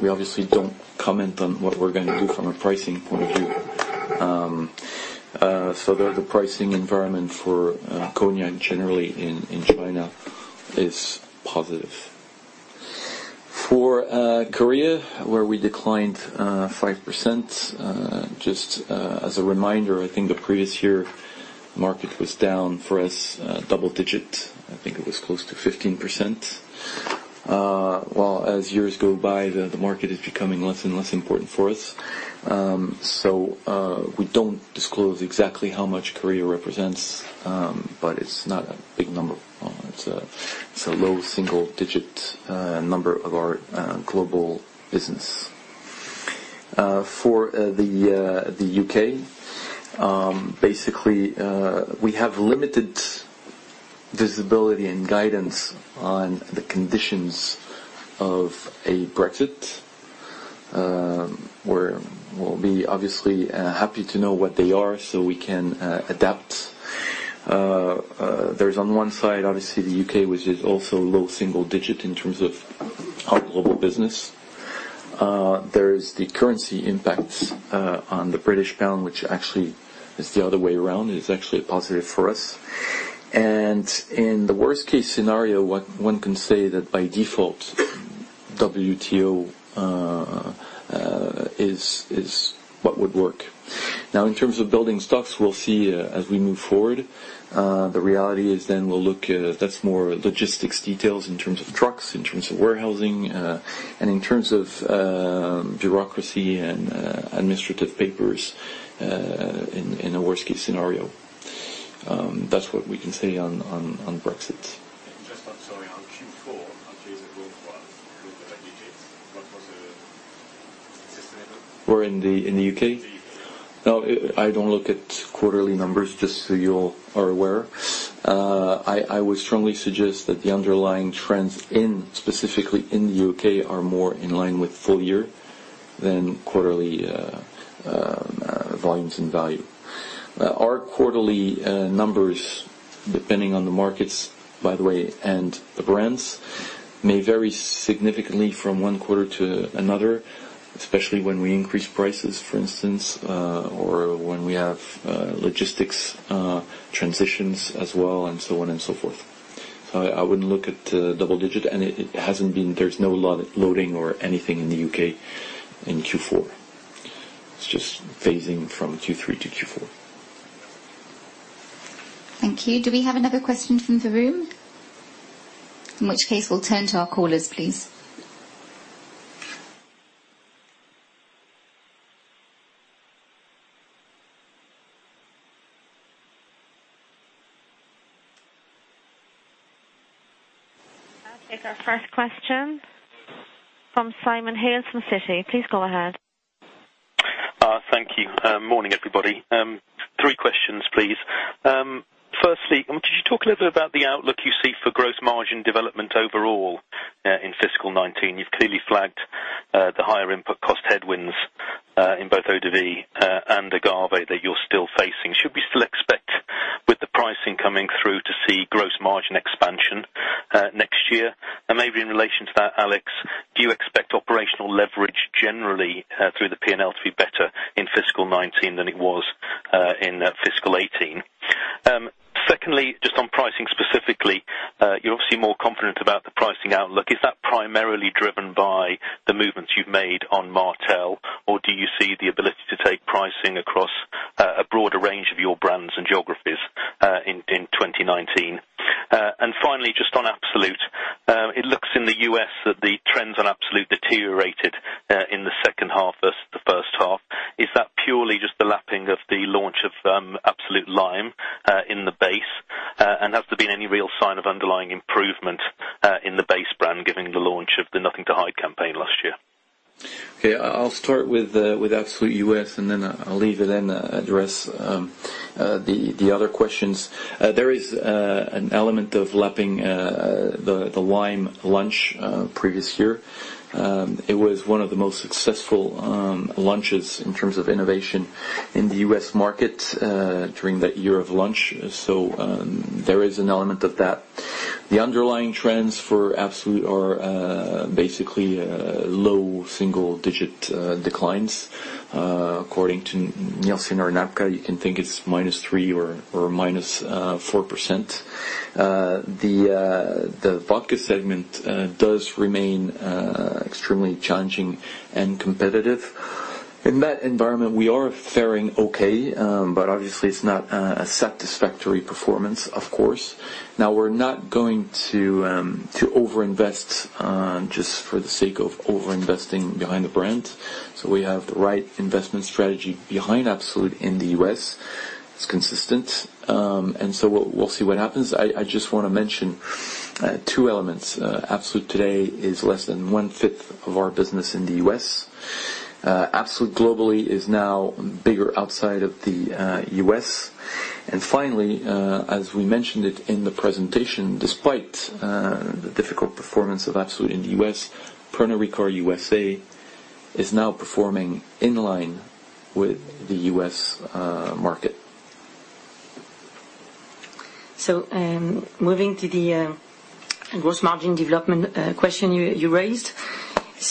we obviously don't comment on what we're going to do from a pricing point of view. The pricing environment for cognac generally in China is positive. For Korea, where we declined 5%, just as a reminder, I think the previous year market was down for us double digit. I think it was close to 15%. Well, as years go by, the market is becoming less and less important for us. We don't disclose exactly how much Korea represents, but it's not a big number. It's a low single-digit number of our global business. For the U.K., basically we have limited visibility and guidance on the conditions of a Brexit, where we'll be obviously happy to know what they are so we can adapt. There's on one side, obviously the U.K., which is also low single digit in terms of our global business. There's the currency impact on the British pound, which actually is the other way around. It's actually a positive for us. In the worst case scenario, one can say that by default, WTO is what would work. In terms of building stocks, we'll see as we move forward. The reality is we'll look at that's more logistics details in terms of trucks, in terms of warehousing, and in terms of bureaucracy and administrative papers in a worst case scenario. That's what we can say on Brexit. Just on, sorry, on Q4, I'm curious it grew quite low double digits. What was the system level? Where? In the U.K.? In the U.K. I don't look at quarterly numbers, just so you all are aware. I would strongly suggest that the underlying trends specifically in the U.K. are more in line with full year Then quarterly volumes and value. Our quarterly numbers, depending on the markets, by the way, and the brands, may vary significantly from one quarter to another, especially when we increase prices, for instance, or when we have logistics transitions as well, and so on and so forth. I wouldn't look at double digit and there's no loading or anything in the U.K. in Q4. It's just phasing from Q3 to Q4. Thank you. Do we have another question from the room? In which case, we'll turn to our callers, please. I'll take our first question from Simon Hales from Citi. Please go ahead. Thank you. Morning, everybody. Three questions, please. Firstly, could you talk a little bit about the outlook you see for gross margin development overall in fiscal 2019? You've clearly flagged the higher input cost headwinds in both ODV and agave that you're still facing. Should we still expect with the pricing coming through to see gross margin expansion next year? Maybe in relation to that, Alex, do you expect operational leverage generally, through the P&L, to be better in fiscal 2019 than it was in fiscal 2018? Just on pricing specifically, you're obviously more confident about the pricing outlook. Is that primarily driven by the movements you've made on Martell, or do you see the ability to take pricing across a broader range of your brands and geographies in 2019? Finally, just on Absolut, it looks in the U.S. that the trends on Absolut deteriorated in the second half versus the first half. Is that purely just the lapping of the launch of Absolut Lime in the base? Has there been any real sign of underlying improvement in the base brand given the launch of the Nothing to Hide campaign last year? Okay. I'll start with Absolut U.S., then I'll leave Hélène to address the other questions. There is an element of lapping the Lime launch previous year. It was one of the most successful launches in terms of innovation in the U.S. market during that year of launch, there is an element of that. The underlying trends for Absolut are basically low single-digit declines. According to Nielsen or NABCA, you can think it's -3% or -4%. The vodka segment does remain extremely challenging and competitive. In that environment, we are fairing okay, but obviously it's not a satisfactory performance, of course. We're not going to overinvest just for the sake of overinvesting behind the brand. We have the right investment strategy behind Absolut in the U.S. It's consistent. We'll see what happens. I just want to mention two elements. Absolut today is less than one fifth of our business in the U.S. Absolut globally is now bigger outside of the U.S. Finally, as we mentioned it in the presentation, despite the difficult performance of Absolut in the U.S., Pernod Ricard USA is now performing in line with the U.S. market. Moving to the gross margin development question you raised.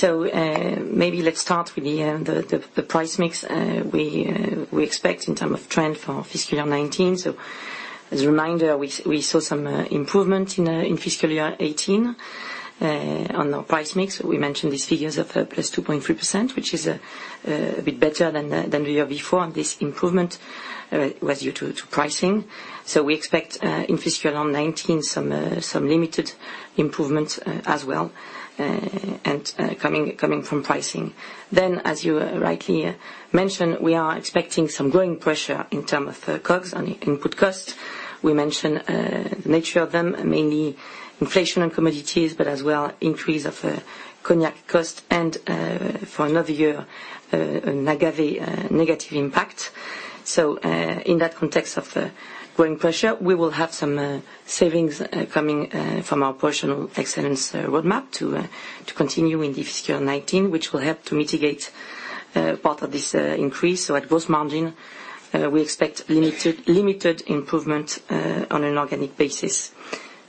Maybe let's start with the price mix we expect in term of trend for FY 2019. As a reminder, we saw some improvement in FY 2018 on our price mix. We mentioned these figures of +2.3%, which is a bit better than the year before, and this improvement was due to pricing. We expect, in FY 2019, some limited improvement as well, and coming from pricing. As you rightly mentioned, we are expecting some growing pressure in term of COGS on the input cost. We mentioned the nature of them, mainly inflation on commodities, but as well increase of cognac cost and, for another year, an agave negative impact. In that context of growing pressure, we will have some savings coming from our Operational Excellence Roadmap to continue in FY 2019, which will help to mitigate part of this increase. At gross margin, we expect limited improvement on an organic basis.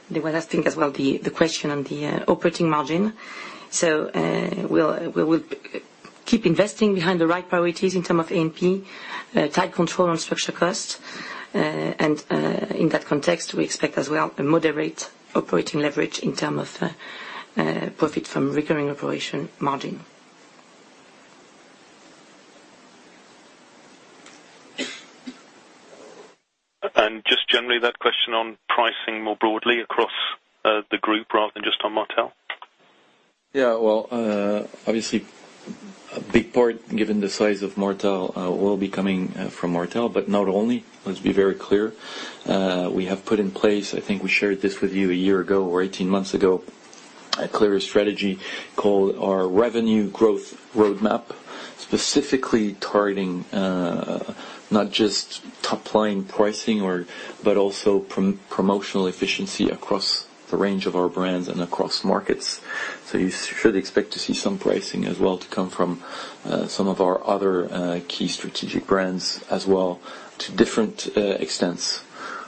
The last thing as well, the question on the operating margin. We will keep investing behind the right priorities in term of A&P, tight control on structure cost. In that context, we expect as well a moderate operating leverage in term of profit from recurring operation margin. Just generally that question on pricing more broadly across the group rather than just on Martell. Well, obviously a big part, given the size of Martell, will be coming from Martell, but not only. Let's be very clear. We have put in place, I think we shared this with you a year ago or 18 months ago, a clear strategy called our Revenue Growth Roadmap specifically targeting, not just top-line pricing but also promotional efficiency across the range of our brands and across markets. You should expect to see some pricing as well to come from some of our other key strategic brands as well, to different extents.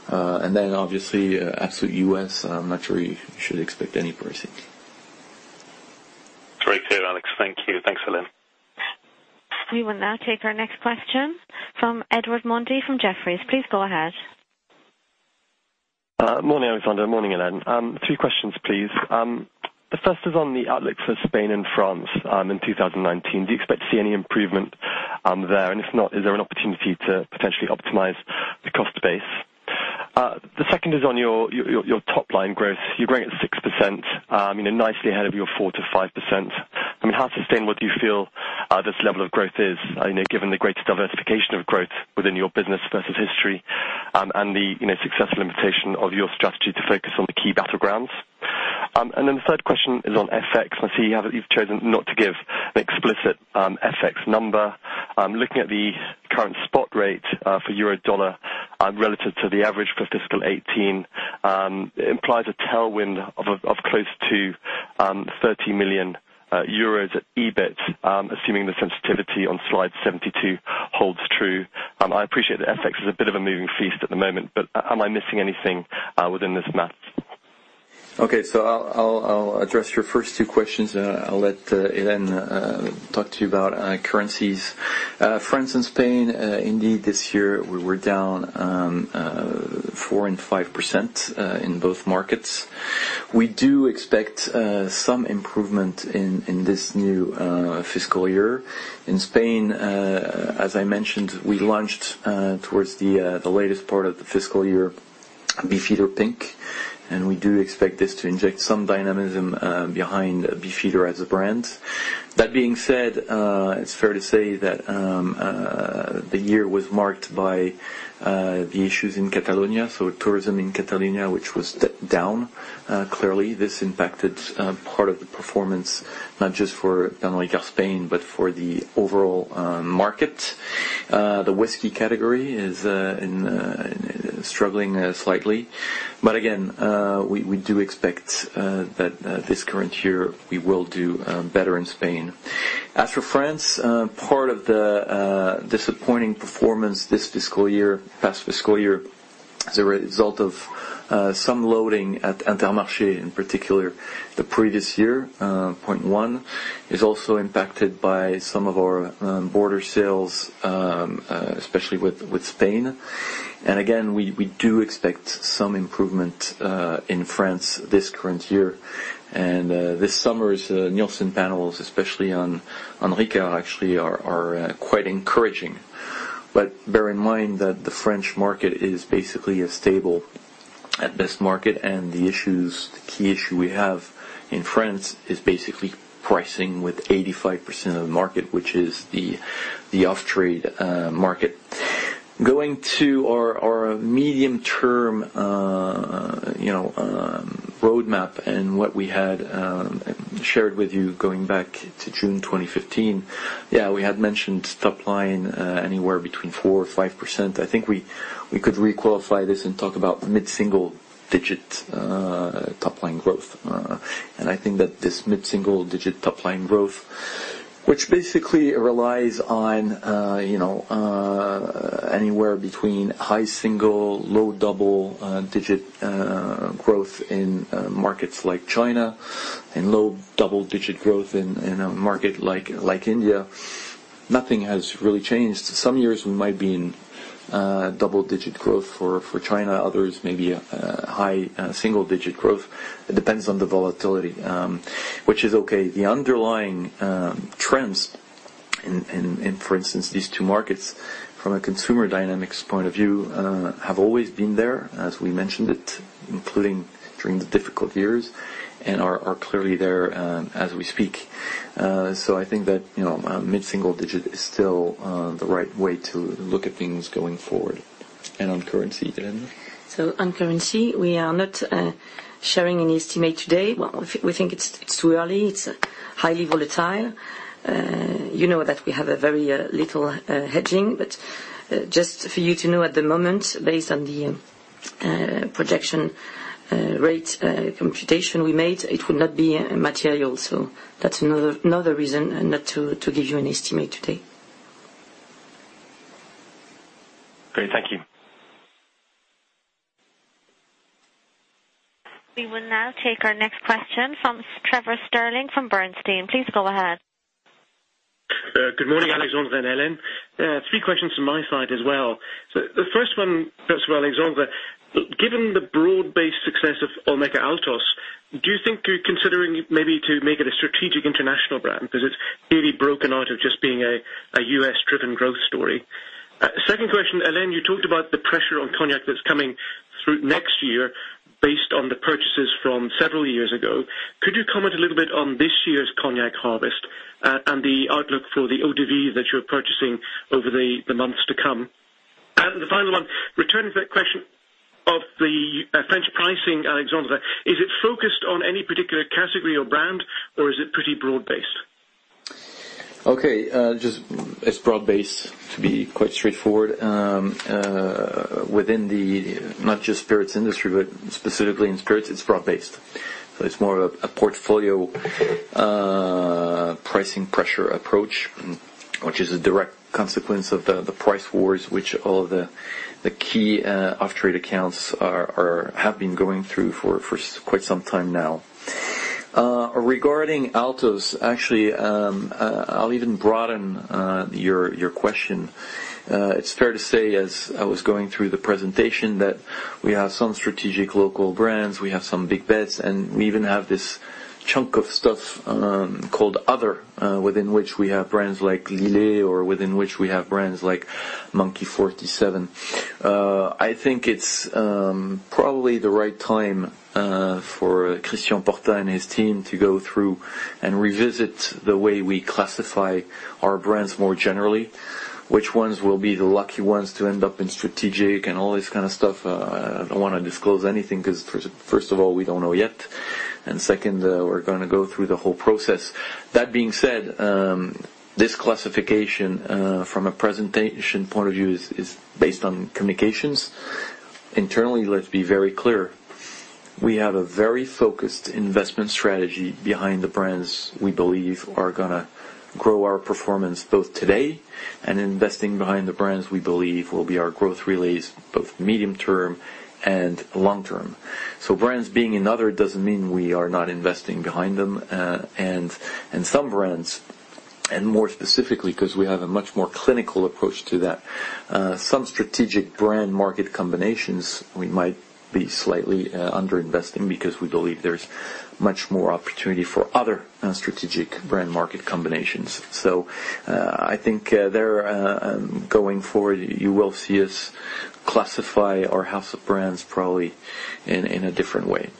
Then obviously Absolut U.S., I'm not sure you should expect any pricing. Great. Alex, thank you. Thanks, Hélène. We will now take our next question from Edward Mundy, from Jefferies. Please go ahead. Morning, Alexandre. Morning, Hélène. Two questions, please. The first is on the outlooks for Spain and France in 2019. Do you expect to see any improvement there? If not, is there an opportunity to potentially optimize the cost base? The second is on your top-line growth. You're growing at 6%, nicely ahead of your 4%-5%. How sustainable do you feel this level of growth is, given the greater diversification of growth within your business versus history, and the successful implementation of your strategy to focus on the key battlegrounds? The third question is on FX. I see you've chosen not to give an explicit FX number. Looking at the current spot rate for euro-dollar, relative to the average for fiscal 2018, it implies a tailwind of close to 30 million euros EBIT, assuming the sensitivity on slide 72 holds true. I appreciate that FX is a bit of a moving feast at the moment, am I missing anything within this math? I'll address your first two questions. I'll let Hélène talk to you about currencies. France and Spain, indeed, this year we were down 4% and 5% in both markets. We do expect some improvement in this new fiscal year. In Spain, as I mentioned, we launched towards the latest part of the fiscal year, Beefeater Pink. We do expect this to inject some dynamism behind Beefeater as a brand. That being said, it's fair to say that the year was marked by the issues in Catalonia. Tourism in Catalonia, which was down. Clearly, this impacted part of the performance, not just for Pernod Ricard Spain, but for the overall market. The whiskey category is struggling slightly. We do expect that this current year we will do better in Spain. As for France, part of the disappointing performance this past fiscal year is a result of some loading at Intermarché in particular, the previous year, point one. It is also impacted by some of our border sales, especially with Spain. We do expect some improvement in France this current year. This summer's Nielsen panels, especially on Ricard actually, are quite encouraging. Bear in mind that the French market is basically a stable, at best market, and the key issue we have in France is basically pricing with 85% of the market, which is the off-trade market. Going to our medium-term roadmap and what we had shared with you going back to June 2015. We had mentioned top line anywhere between 4% or 5%. I think we could re-qualify this and talk about mid-single digit top-line growth. I think that this mid-single-digit top-line growth, which basically relies on anywhere between high-single, low-double-digit growth in markets like China, and low-double-digit growth in a market like India. Nothing has really changed. Some years we might be in double-digit growth for China, others maybe a high-single-digit growth. It depends on the volatility. Which is okay. The underlying trends in, for instance, these two markets, from a consumer dynamics point of view, have always been there, as we mentioned it, including during the difficult years, and are clearly there as we speak. I think that mid-single-digit is still the right way to look at things going forward. On currency, Hélène? On currency, we are not sharing any estimate today. We think it's too early. It's highly volatile. You know that we have a very little hedging. Just for you to know at the moment, based on the projection rate computation we made, it will not be material. That's another reason not to give you an estimate today. Great. Thank you. We will now take our next question from Trevor Stirling from Bernstein. Please go ahead. Good morning, Alexandre and Hélène. Three questions from my side as well. The first one, perhaps for Alexandre. Given the broad-based success of Olmeca Altos, do you think you're considering maybe to make it a strategic international brand? Because it's really broken out of just being a U.S.-driven growth story. Second question. Hélène, you talked about the pressure on cognac that's coming through next year based on the purchases from several years ago. Could you comment a little bit on this year's cognac harvest and the outlook for the eau de vie that you're purchasing over the months to come? The final one, returns question. Pricing, Alexandre, is it focused on any particular category or brand, or is it pretty broad-based? Okay. It's broad-based, to be quite straightforward. Within not just spirits industry, but specifically in spirits, it's broad-based. It's more of a portfolio pricing pressure approach, which is a direct consequence of the price wars which all of the key off-trade accounts have been going through for quite some time now. Regarding Altos, actually, I'll even broaden your question. It's fair to say, as I was going through the presentation, that we have some strategic local brands, we have some big bets, and we even have this chunk of stuff called Other, within which we have brands like Lillet, or within which we have brands like Monkey 47. I think it's probably the right time for Christian Porta and his team to go through and revisit the way we classify our brands more generally. Which ones will be the lucky ones to end up in strategic and all this kind of stuff. I don't want to disclose anything, because first of all, we don't know yet, and second, we're going to go through the whole process. That being said, this classification, from a presentation point of view, is based on communications. Internally, let's be very clear, we have a very focused investment strategy behind the brands we believe are going to grow our performance both today, and investing behind the brands we believe will be our growth relays, both medium term and long term. Brands being in Other doesn't mean we are not investing behind them. Some brands, and more specifically, because we have a much more clinical approach to that, some strategic brand market combinations we might be slightly under-investing because we believe there's much more opportunity for other strategic brand market combinations. I think there, going forward, you will see us classify our house of brands probably in a different way.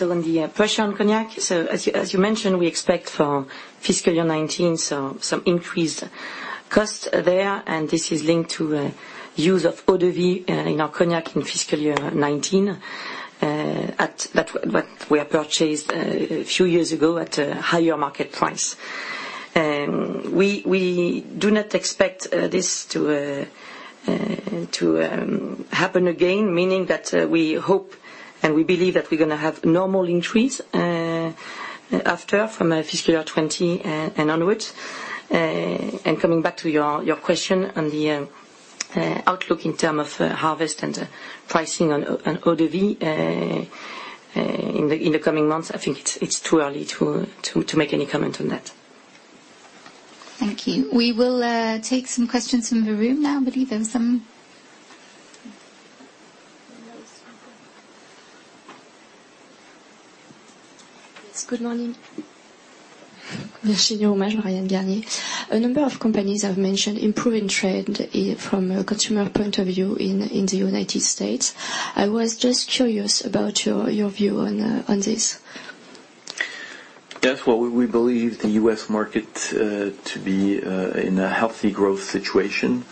On the pressure on cognac, as you mentioned, we expect for fiscal year 2019 some increased cost there, and this is linked to use of eau de vie in our cognac in fiscal year 2019. That we had purchased a few years ago at a higher market price. We do not expect this to happen again, meaning that we hope and we believe that we're going to have normal increase after, from fiscal year 2020 onwards. Coming back to your question on the outlook in term of harvest and pricing on eau de vie in the coming months, I think it's too early to make any comment on that. Thank you. We will take some questions from the room now. I believe there are some questions. Yes. Good morning. Virginie. A number of companies have mentioned improving trade from a consumer point of view in the U.S. I was just curious about your view on this. We believe the U.S. market to be in a healthy growth situation.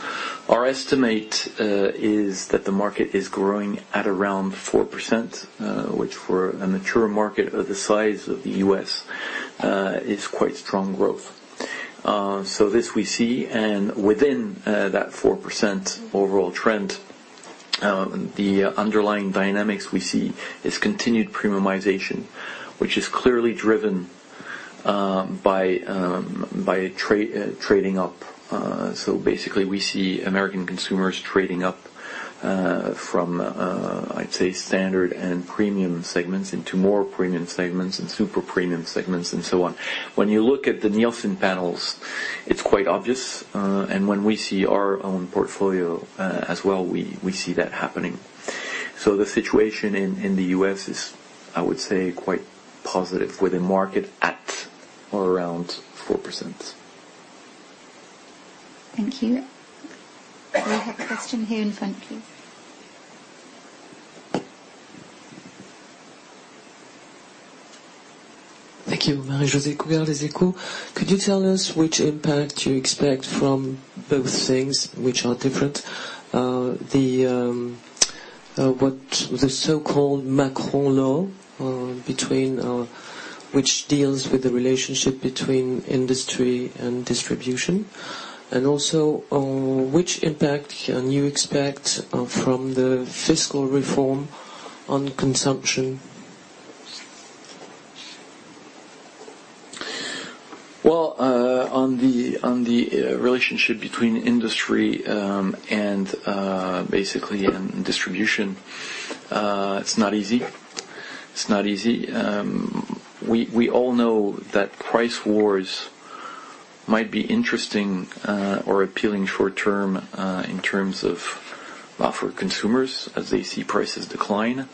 Our estimate is that the market is growing at around 4%, which for a mature market of the size of the U.S., is quite strong growth. This we see, and within that 4% overall trend, the underlying dynamics we see is continued premiumization, which is clearly driven by trading up. Basically we see American consumers trading up from, I'd say, standard and premium segments into more premium segments and super premium segments and so on. When you look at the Nielsen panels, it's quite obvious. When we see our own portfolio as well, we see that happening. The situation in the U.S. is, I would say, quite positive with the market at or around 4%. Thank you. We have a question here in front, please. Thank you. Marie-Josée Cougard, Les Echos. Could you tell us which impact you expect from both things which are different? What the so-called Macron law, which deals with the relationship between industry and distribution, and also which impact can you expect from the fiscal reform on consumption? On the relationship between industry and basically distribution, it's not easy. We all know that price wars might be interesting or appealing short term in terms of offer consumers as they see prices decline.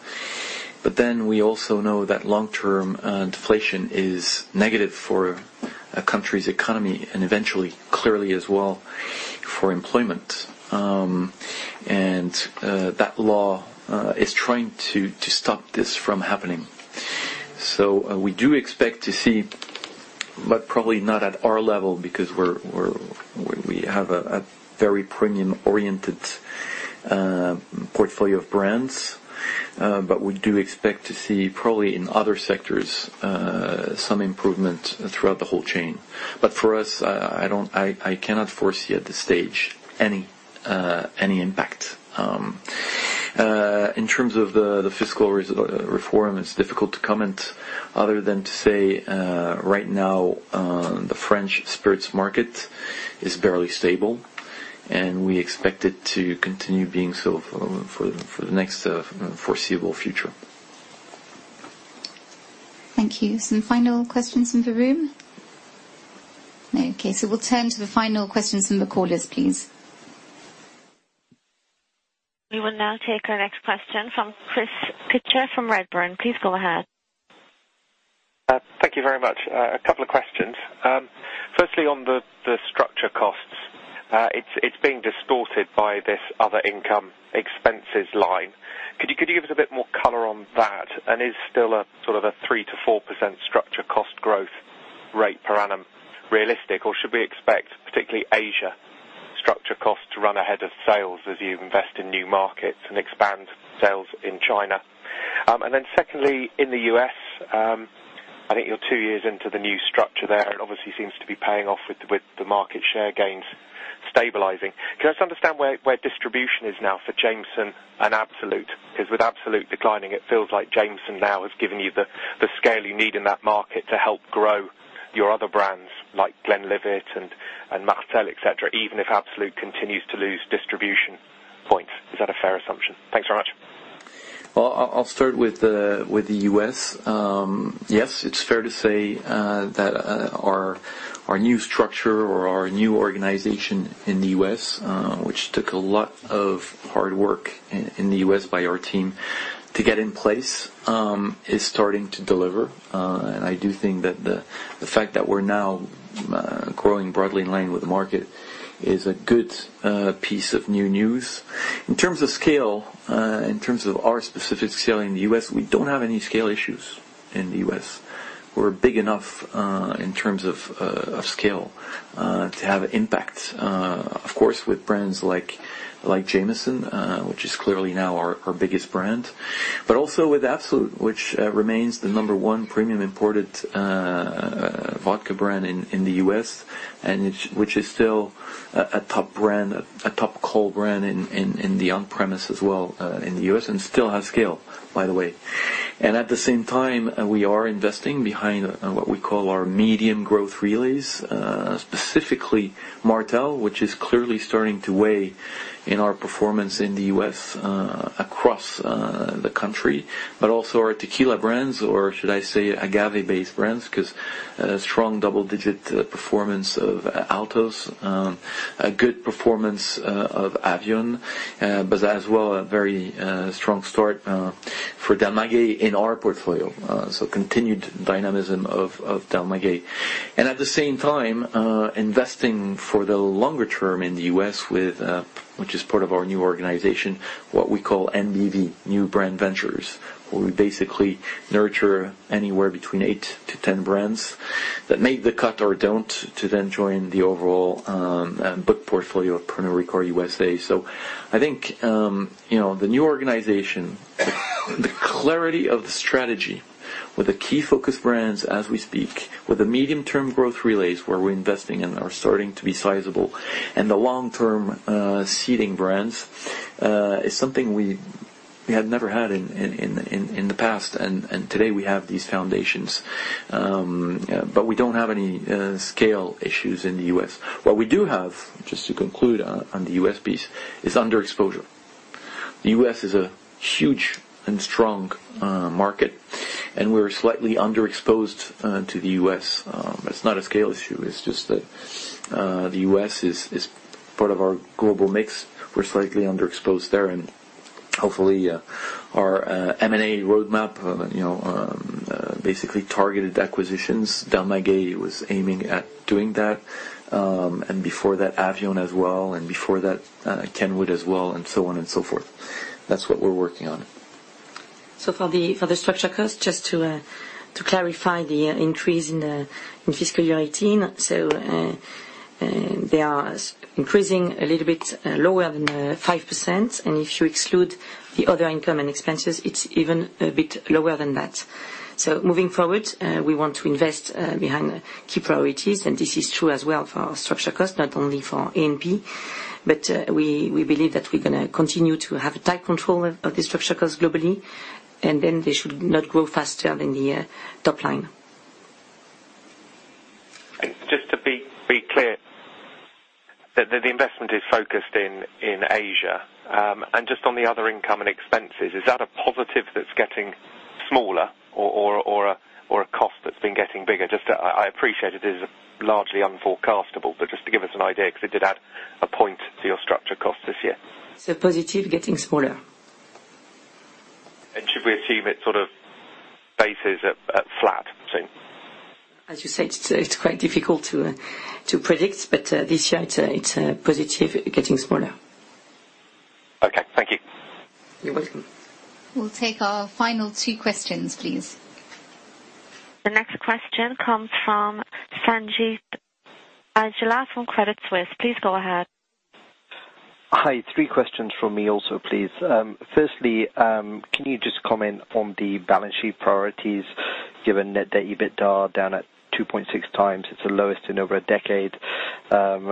We also know that long-term deflation is negative for a country's economy and eventually, clearly as well, for employment. That law is trying to stop this from happening. We do expect to see, but probably not at our level, because we have a very premium-oriented portfolio of brands. We do expect to see, probably in other sectors, some improvement throughout the whole chain. For us, I cannot foresee at this stage any impact. In terms of the fiscal reform, it's difficult to comment other than to say, right now, the French spirits market is barely stable, and we expect it to continue being so for the next foreseeable future. Thank you. Some final questions in the room? No. Okay, we'll turn to the final questions from the callers, please. We will now take our next question from Chris Pitcher from Redburn. Please go ahead. Thank you very much. A couple of questions. Firstly, on the structure costs. It's being distorted by this other income expenses line. Could you give us a bit more color on that? Is still a sort of a 3%-4% structure cost growth rate per annum realistic, or should we expect particularly Asia structure cost to run ahead of sales as you invest in new markets and expand sales in China? Secondly, in the U.S., I think you're two years into the new structure there. It obviously seems to be paying off with the market share gains stabilizing. Can I just understand where distribution is now for Jameson and Absolut? With Absolut declining, it feels like Jameson now has given you the scale you need in that market to help grow your other brands like Glenlivet and Martell, et cetera, even if Absolut continues to lose distribution points. Is that a fair assumption? Thanks very much. Well, I'll start with the U.S. Yes, it's fair to say that our new structure or our new organization in the U.S., which took a lot of hard work in the U.S. by our team to get in place, is starting to deliver. I do think that the fact that we're now growing broadly in line with the market is a good piece of new news. In terms of scale, in terms of our specific scale in the U.S., we don't have any scale issues in the U.S. We're big enough in terms of scale to have impact, of course, with brands like Jameson, which is clearly now our biggest brand. Also with Absolut, which remains the number one premium imported vodka brand in the U.S., and which is still a top brand, a top call brand in the on-premise as well in the U.S. and still has scale, by the way. At the same time, we are investing behind what we call our medium growth relays, specifically Martell, which is clearly starting to weigh in our performance in the U.S., across the country. Also our tequila brands, or should I say agave-based brands, because a strong double-digit performance of Altos, a good performance of Avión, as well, a very strong start for Del Maguey in our portfolio. Continued dynamism of Del Maguey. At the same time, investing for the longer term in the U.S., which is part of our new organization, what we call NBV, New Brand Ventures, where we basically nurture anywhere between 8 to 10 brands that make the cut or don't to then join the overall book portfolio of Pernod Ricard USA. I think, the new organization, the clarity of the strategy with the key focus brands as we speak, with the medium-term growth relays where we're investing and are starting to be sizable, and the long-term seeding brands, is something we had never had in the past. Today we have these foundations. We don't have any scale issues in the U.S. What we do have, just to conclude on the U.S. piece, is underexposure. The U.S. is a huge and strong market, and we're slightly underexposed to the U.S. It's not a scale issue. It's just that the U.S. is part of our global mix. We're slightly underexposed there, hopefully our M&A roadmap basically targeted acquisitions. Del Maguey was aiming at doing that, and before that, Avión as well, and before that, Kenwood as well, and so on and so forth. That's what we're working on. For the structure cost, just to clarify the increase in fiscal year 2018. They are increasing a little bit lower than 5%. If you exclude the other income and expenses, it's even a bit lower than that. Moving forward, we want to invest behind key priorities. This is true as well for our structure cost, not only for A&P. We believe that we're going to continue to have a tight control of the structure cost globally, and then they should not grow faster than the top line. Just to be clear, the investment is focused in Asia. Just on the other income and expenses, is that a positive that's getting smaller or a cost that's been getting bigger? I appreciate it is largely unforecastable, but just to give us an idea, because it did add a point to your structure cost this year. It's a positive getting smaller. Should we achieve it sort of bases at flat? As you said, it's quite difficult to predict, this year it's a positive getting smaller. You're welcome. We'll take our final two questions, please. The next question comes from Sanjeet Aujla from Credit Suisse. Please go ahead. Hi, three questions from me also, please. Firstly, can you just comment on the balance sheet priorities, given net debt EBITDA down at 2.6 times, it's the lowest in over a decade,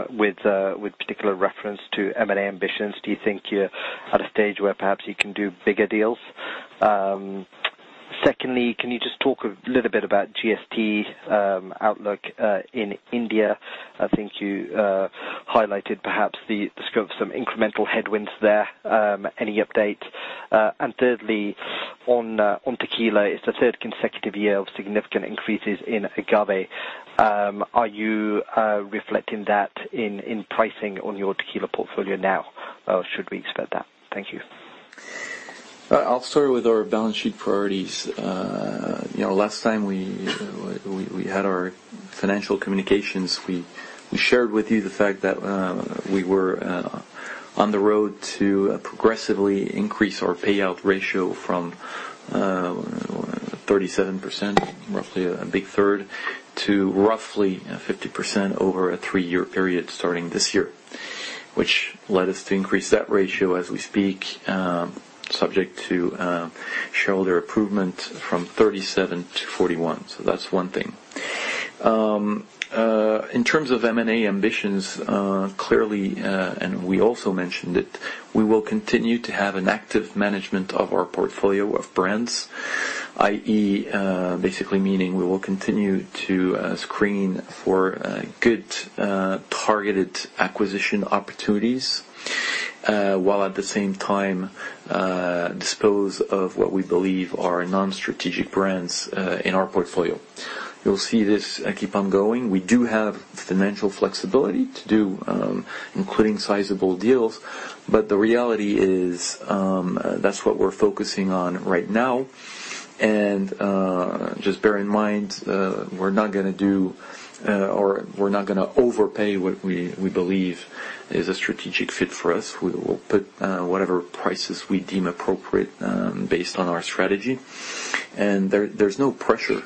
with particular reference to M&A ambitions. Do you think you're at a stage where perhaps you can do bigger deals? Secondly, can you just talk a little bit about GST outlook in India? I think you highlighted perhaps the scope of some incremental headwinds there. Any update? Thirdly, on tequila, it's the third consecutive year of significant increases in agave. Are you reflecting that in pricing on your tequila portfolio now? Should we expect that? Thank you. I'll start with our balance sheet priorities. Last time we had our financial communications, we shared with you the fact that we were on the road to progressively increase our payout ratio from 37%, roughly a big third, to roughly 50% over a three-year period starting this year. Which led us to increase that ratio as we speak, subject to shareholder approval from 37 to 41. That's one thing. In terms of M&A ambitions, clearly, and we also mentioned it, we will continue to have an active management of our portfolio of brands, i.e., basically meaning we will continue to screen for good targeted acquisition opportunities, while at the same time dispose of what we believe are non-strategic brands in our portfolio. You'll see this keep on going. We do have financial flexibility to do including sizable deals, but the reality is, that's what we're focusing on right now. Just bear in mind, we're not going to overpay what we believe is a strategic fit for us. We will put whatever prices we deem appropriate based on our strategy. There's no pressure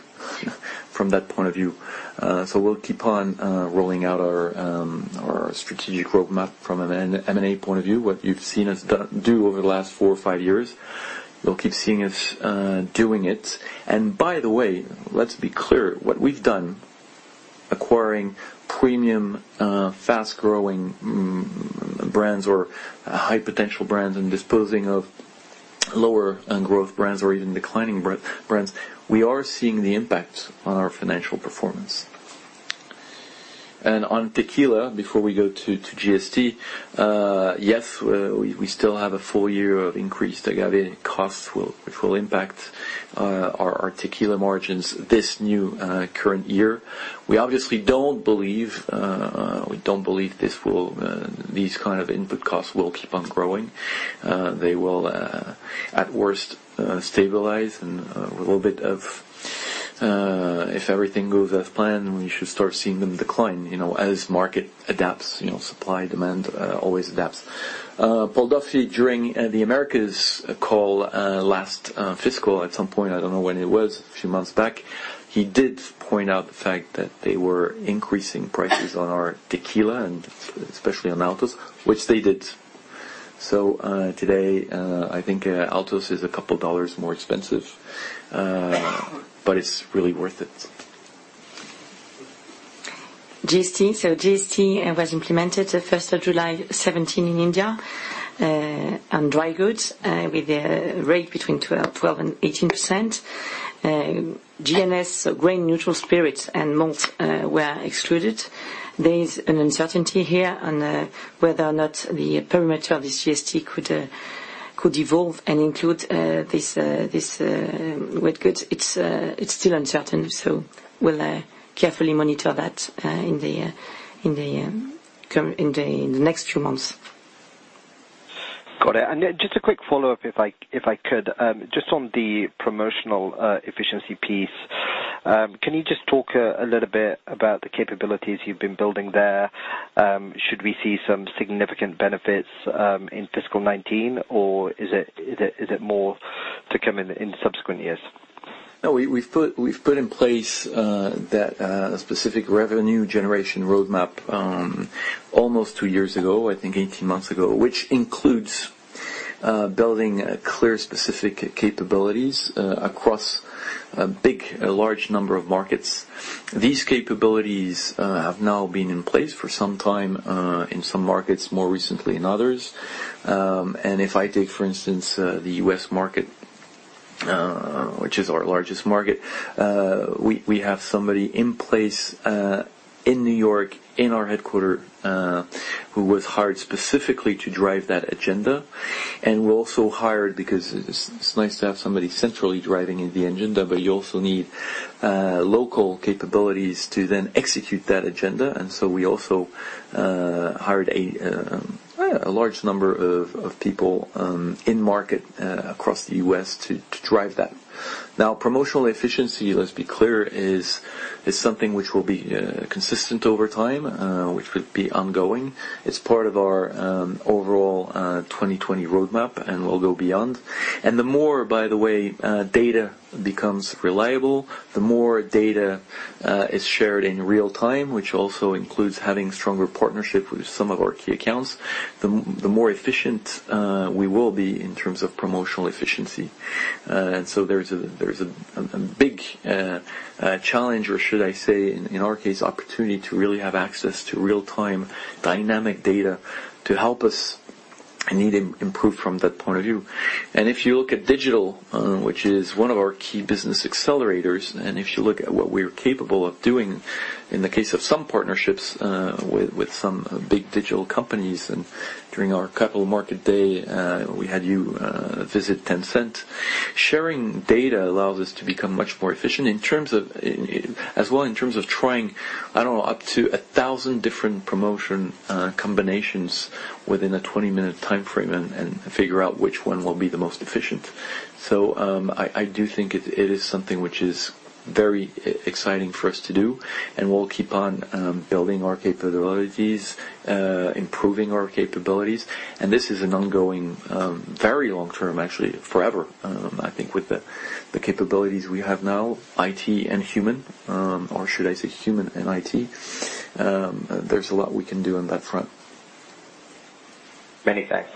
from that point of view. We'll keep on rolling out our strategic roadmap from an M&A point of view. What you've seen us do over the last four or five years, you'll keep seeing us doing it. By the way, let's be clear. What we've done acquiring premium, fast-growing brands or high-potential brands and disposing of lower end growth brands or even declining brands, we are seeing the impact on our financial performance. On tequila, before we go to GST. Yes, we still have a full year of increased agave costs, which will impact our tequila margins this new current year. We obviously don't believe these kind of input costs will keep on growing. They will, at worst, stabilize and a little bit of, if everything goes as planned, we should start seeing them decline as market adapts, supply, demand always adapts. Paul Duffy, during the Americas call last fiscal, at some point, I don't know when it was, a few months back. He did point out the fact that they were increasing prices on our tequila and especially on Altos, which they did. Today, I think Altos is a couple of USD more expensive. It's really worth it. GST. GST was implemented the 1st of July 2017 in India, on dry goods, with a rate between 12% and 18%. GNS, grain neutral spirits, and malt were excluded. There is an uncertainty here on whether or not the perimeter of this GST could evolve and include these wet goods. It is still uncertain, we will carefully monitor that in the next few months. Got it. Just a quick follow-up if I could. Just on the promotional efficiency piece. Can you just talk a little bit about the capabilities you have been building there? Should we see some significant benefits in fiscal 2019 or is it more to come in subsequent years? We have put in place that specific Revenue Growth Roadmap almost two years ago, 18 months ago. Which includes building clear specific capabilities across a large number of markets. These capabilities have now been in place for some time in some markets, more recently in others. If I take, for instance, the U.S. market, which is our largest market. We have somebody in place in New York, in our headquarter who was hired specifically to drive that agenda. We also hired, because it is nice to have somebody centrally driving the agenda, but you also need local capabilities to then execute that agenda. We also hired a large number of people in market across the U.S. to drive that. Promotional efficiency, let us be clear, is something which will be consistent over time, which will be ongoing. It is part of our overall 2020 roadmap, and we will go beyond. The more, by the way, data becomes reliable, the more data is shared in real time, which also includes having stronger partnership with some of our key accounts, the more efficient we will be in terms of promotional efficiency. There is a big challenge, or should I say, in our case, opportunity to really have access to real-time dynamic data to help us improve from that point of view. If you look at digital, which is one of our key business accelerators, and if you look at what we are capable of doing in the case of some partnerships with some big digital companies. During our capital market day, we had you visit Tencent. Sharing data allows us to become much more efficient, as well as in terms of trying up to 1,000 different promotion combinations within a 20-minute timeframe, and figure out which one will be the most efficient. I do think it is something which is very exciting for us to do, and we'll keep on building our capabilities, improving our capabilities. This is an ongoing, very long-term, actually forever, I think with the capabilities we have now, IT and human, or should I say human and IT. There's a lot we can do on that front. Many thanks.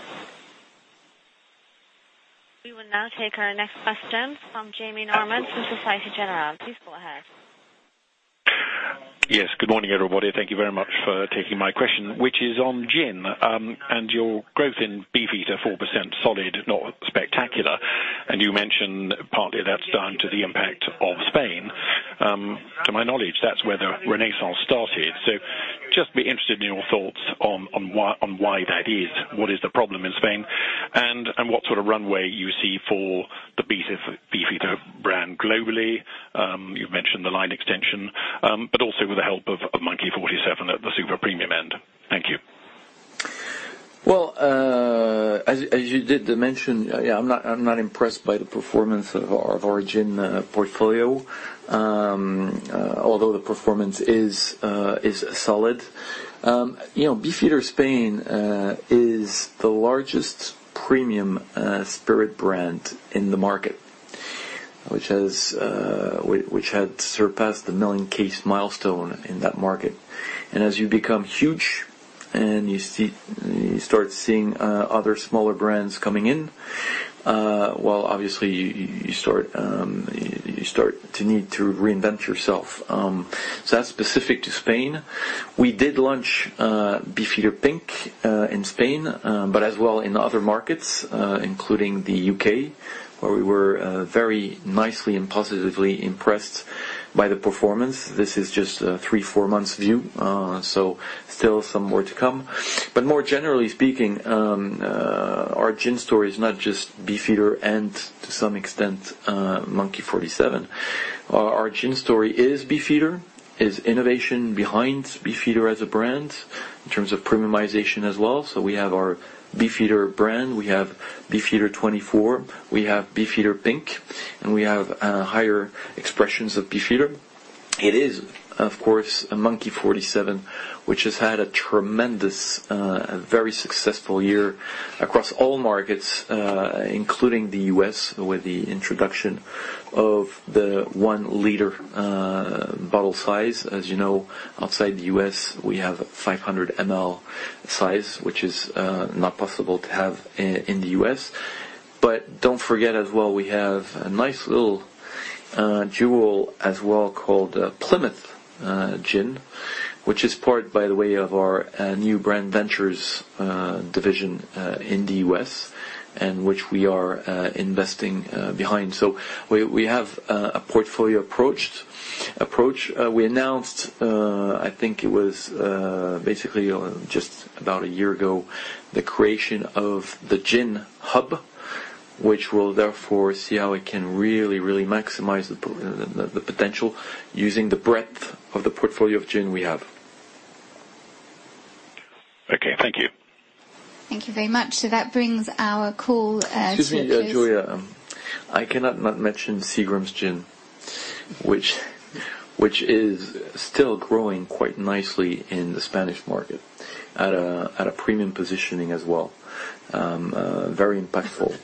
We will now take our next question from Jamie Norman from Société Générale. Please go ahead. Yes, good morning, everybody. Thank you very much for taking my question, which is on gin. Your growth in Beefeater, 4% solid, not spectacular. You mentioned partly that's down to the impact of Spain. To my knowledge, that's where the renaissance started. Just be interested in your thoughts on why that is. What is the problem in Spain? What sort of runway you see for the Beefeater brand globally? You've mentioned the line extension. Also with the help of Monkey 47 at the super premium end. Thank you. As you did mention, I'm not impressed by the performance of our gin portfolio. Although the performance is solid. Beefeater Spain is the largest premium spirit brand in the market, which had surpassed the million case milestone in that market. As you become huge, and you start seeing other smaller brands coming in, obviously, you start to need to reinvent yourself. That's specific to Spain. We did launch Beefeater Pink in Spain, but as well in other markets, including the U.K., where we were very nicely and positively impressed by the performance. This is just a three, four months view. Still some more to come. More generally speaking, our gin story is not just Beefeater and to some extent, Monkey 47. Our gin story is Beefeater, is innovation behind Beefeater as a brand in terms of premiumization as well. We have our Beefeater brand, we have Beefeater 24, we have Beefeater Pink, and we have higher expressions of Beefeater. It is, of course, Monkey 47, which has had a tremendous, very successful year across all markets, including the U.S., with the introduction of the one liter bottle size. As you know, outside the U.S., we have 500 ml size, which is not possible to have in the U.S. Don't forget as well, we have a nice little jewel as well called Plymouth Gin, which is part, by the way, of our New Brand Ventures division in the U.S., and which we are investing behind. We have a portfolio approach. We announced, I think it was basically just about a year ago, the creation of the gin hub, which will therefore see how it can really, really maximize the potential using the breadth of the portfolio of gin we have. Thank you. Thank you very much. That brings our call to- Excuse me, Julia. I cannot not mention Seagram's Gin, which is still growing quite nicely in the Spanish market at a premium positioning as well. Very impactful.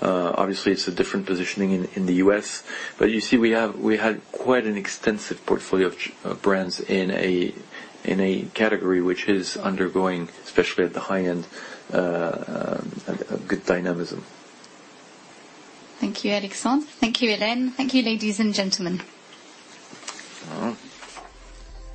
Obviously, it's a different positioning in the U.S. You see, we had quite an extensive portfolio of brands in a category which is undergoing, especially at the high end, good dynamism. Thank you, Alexandre. Thank you, Hélène. Thank you, ladies and gentlemen. All right.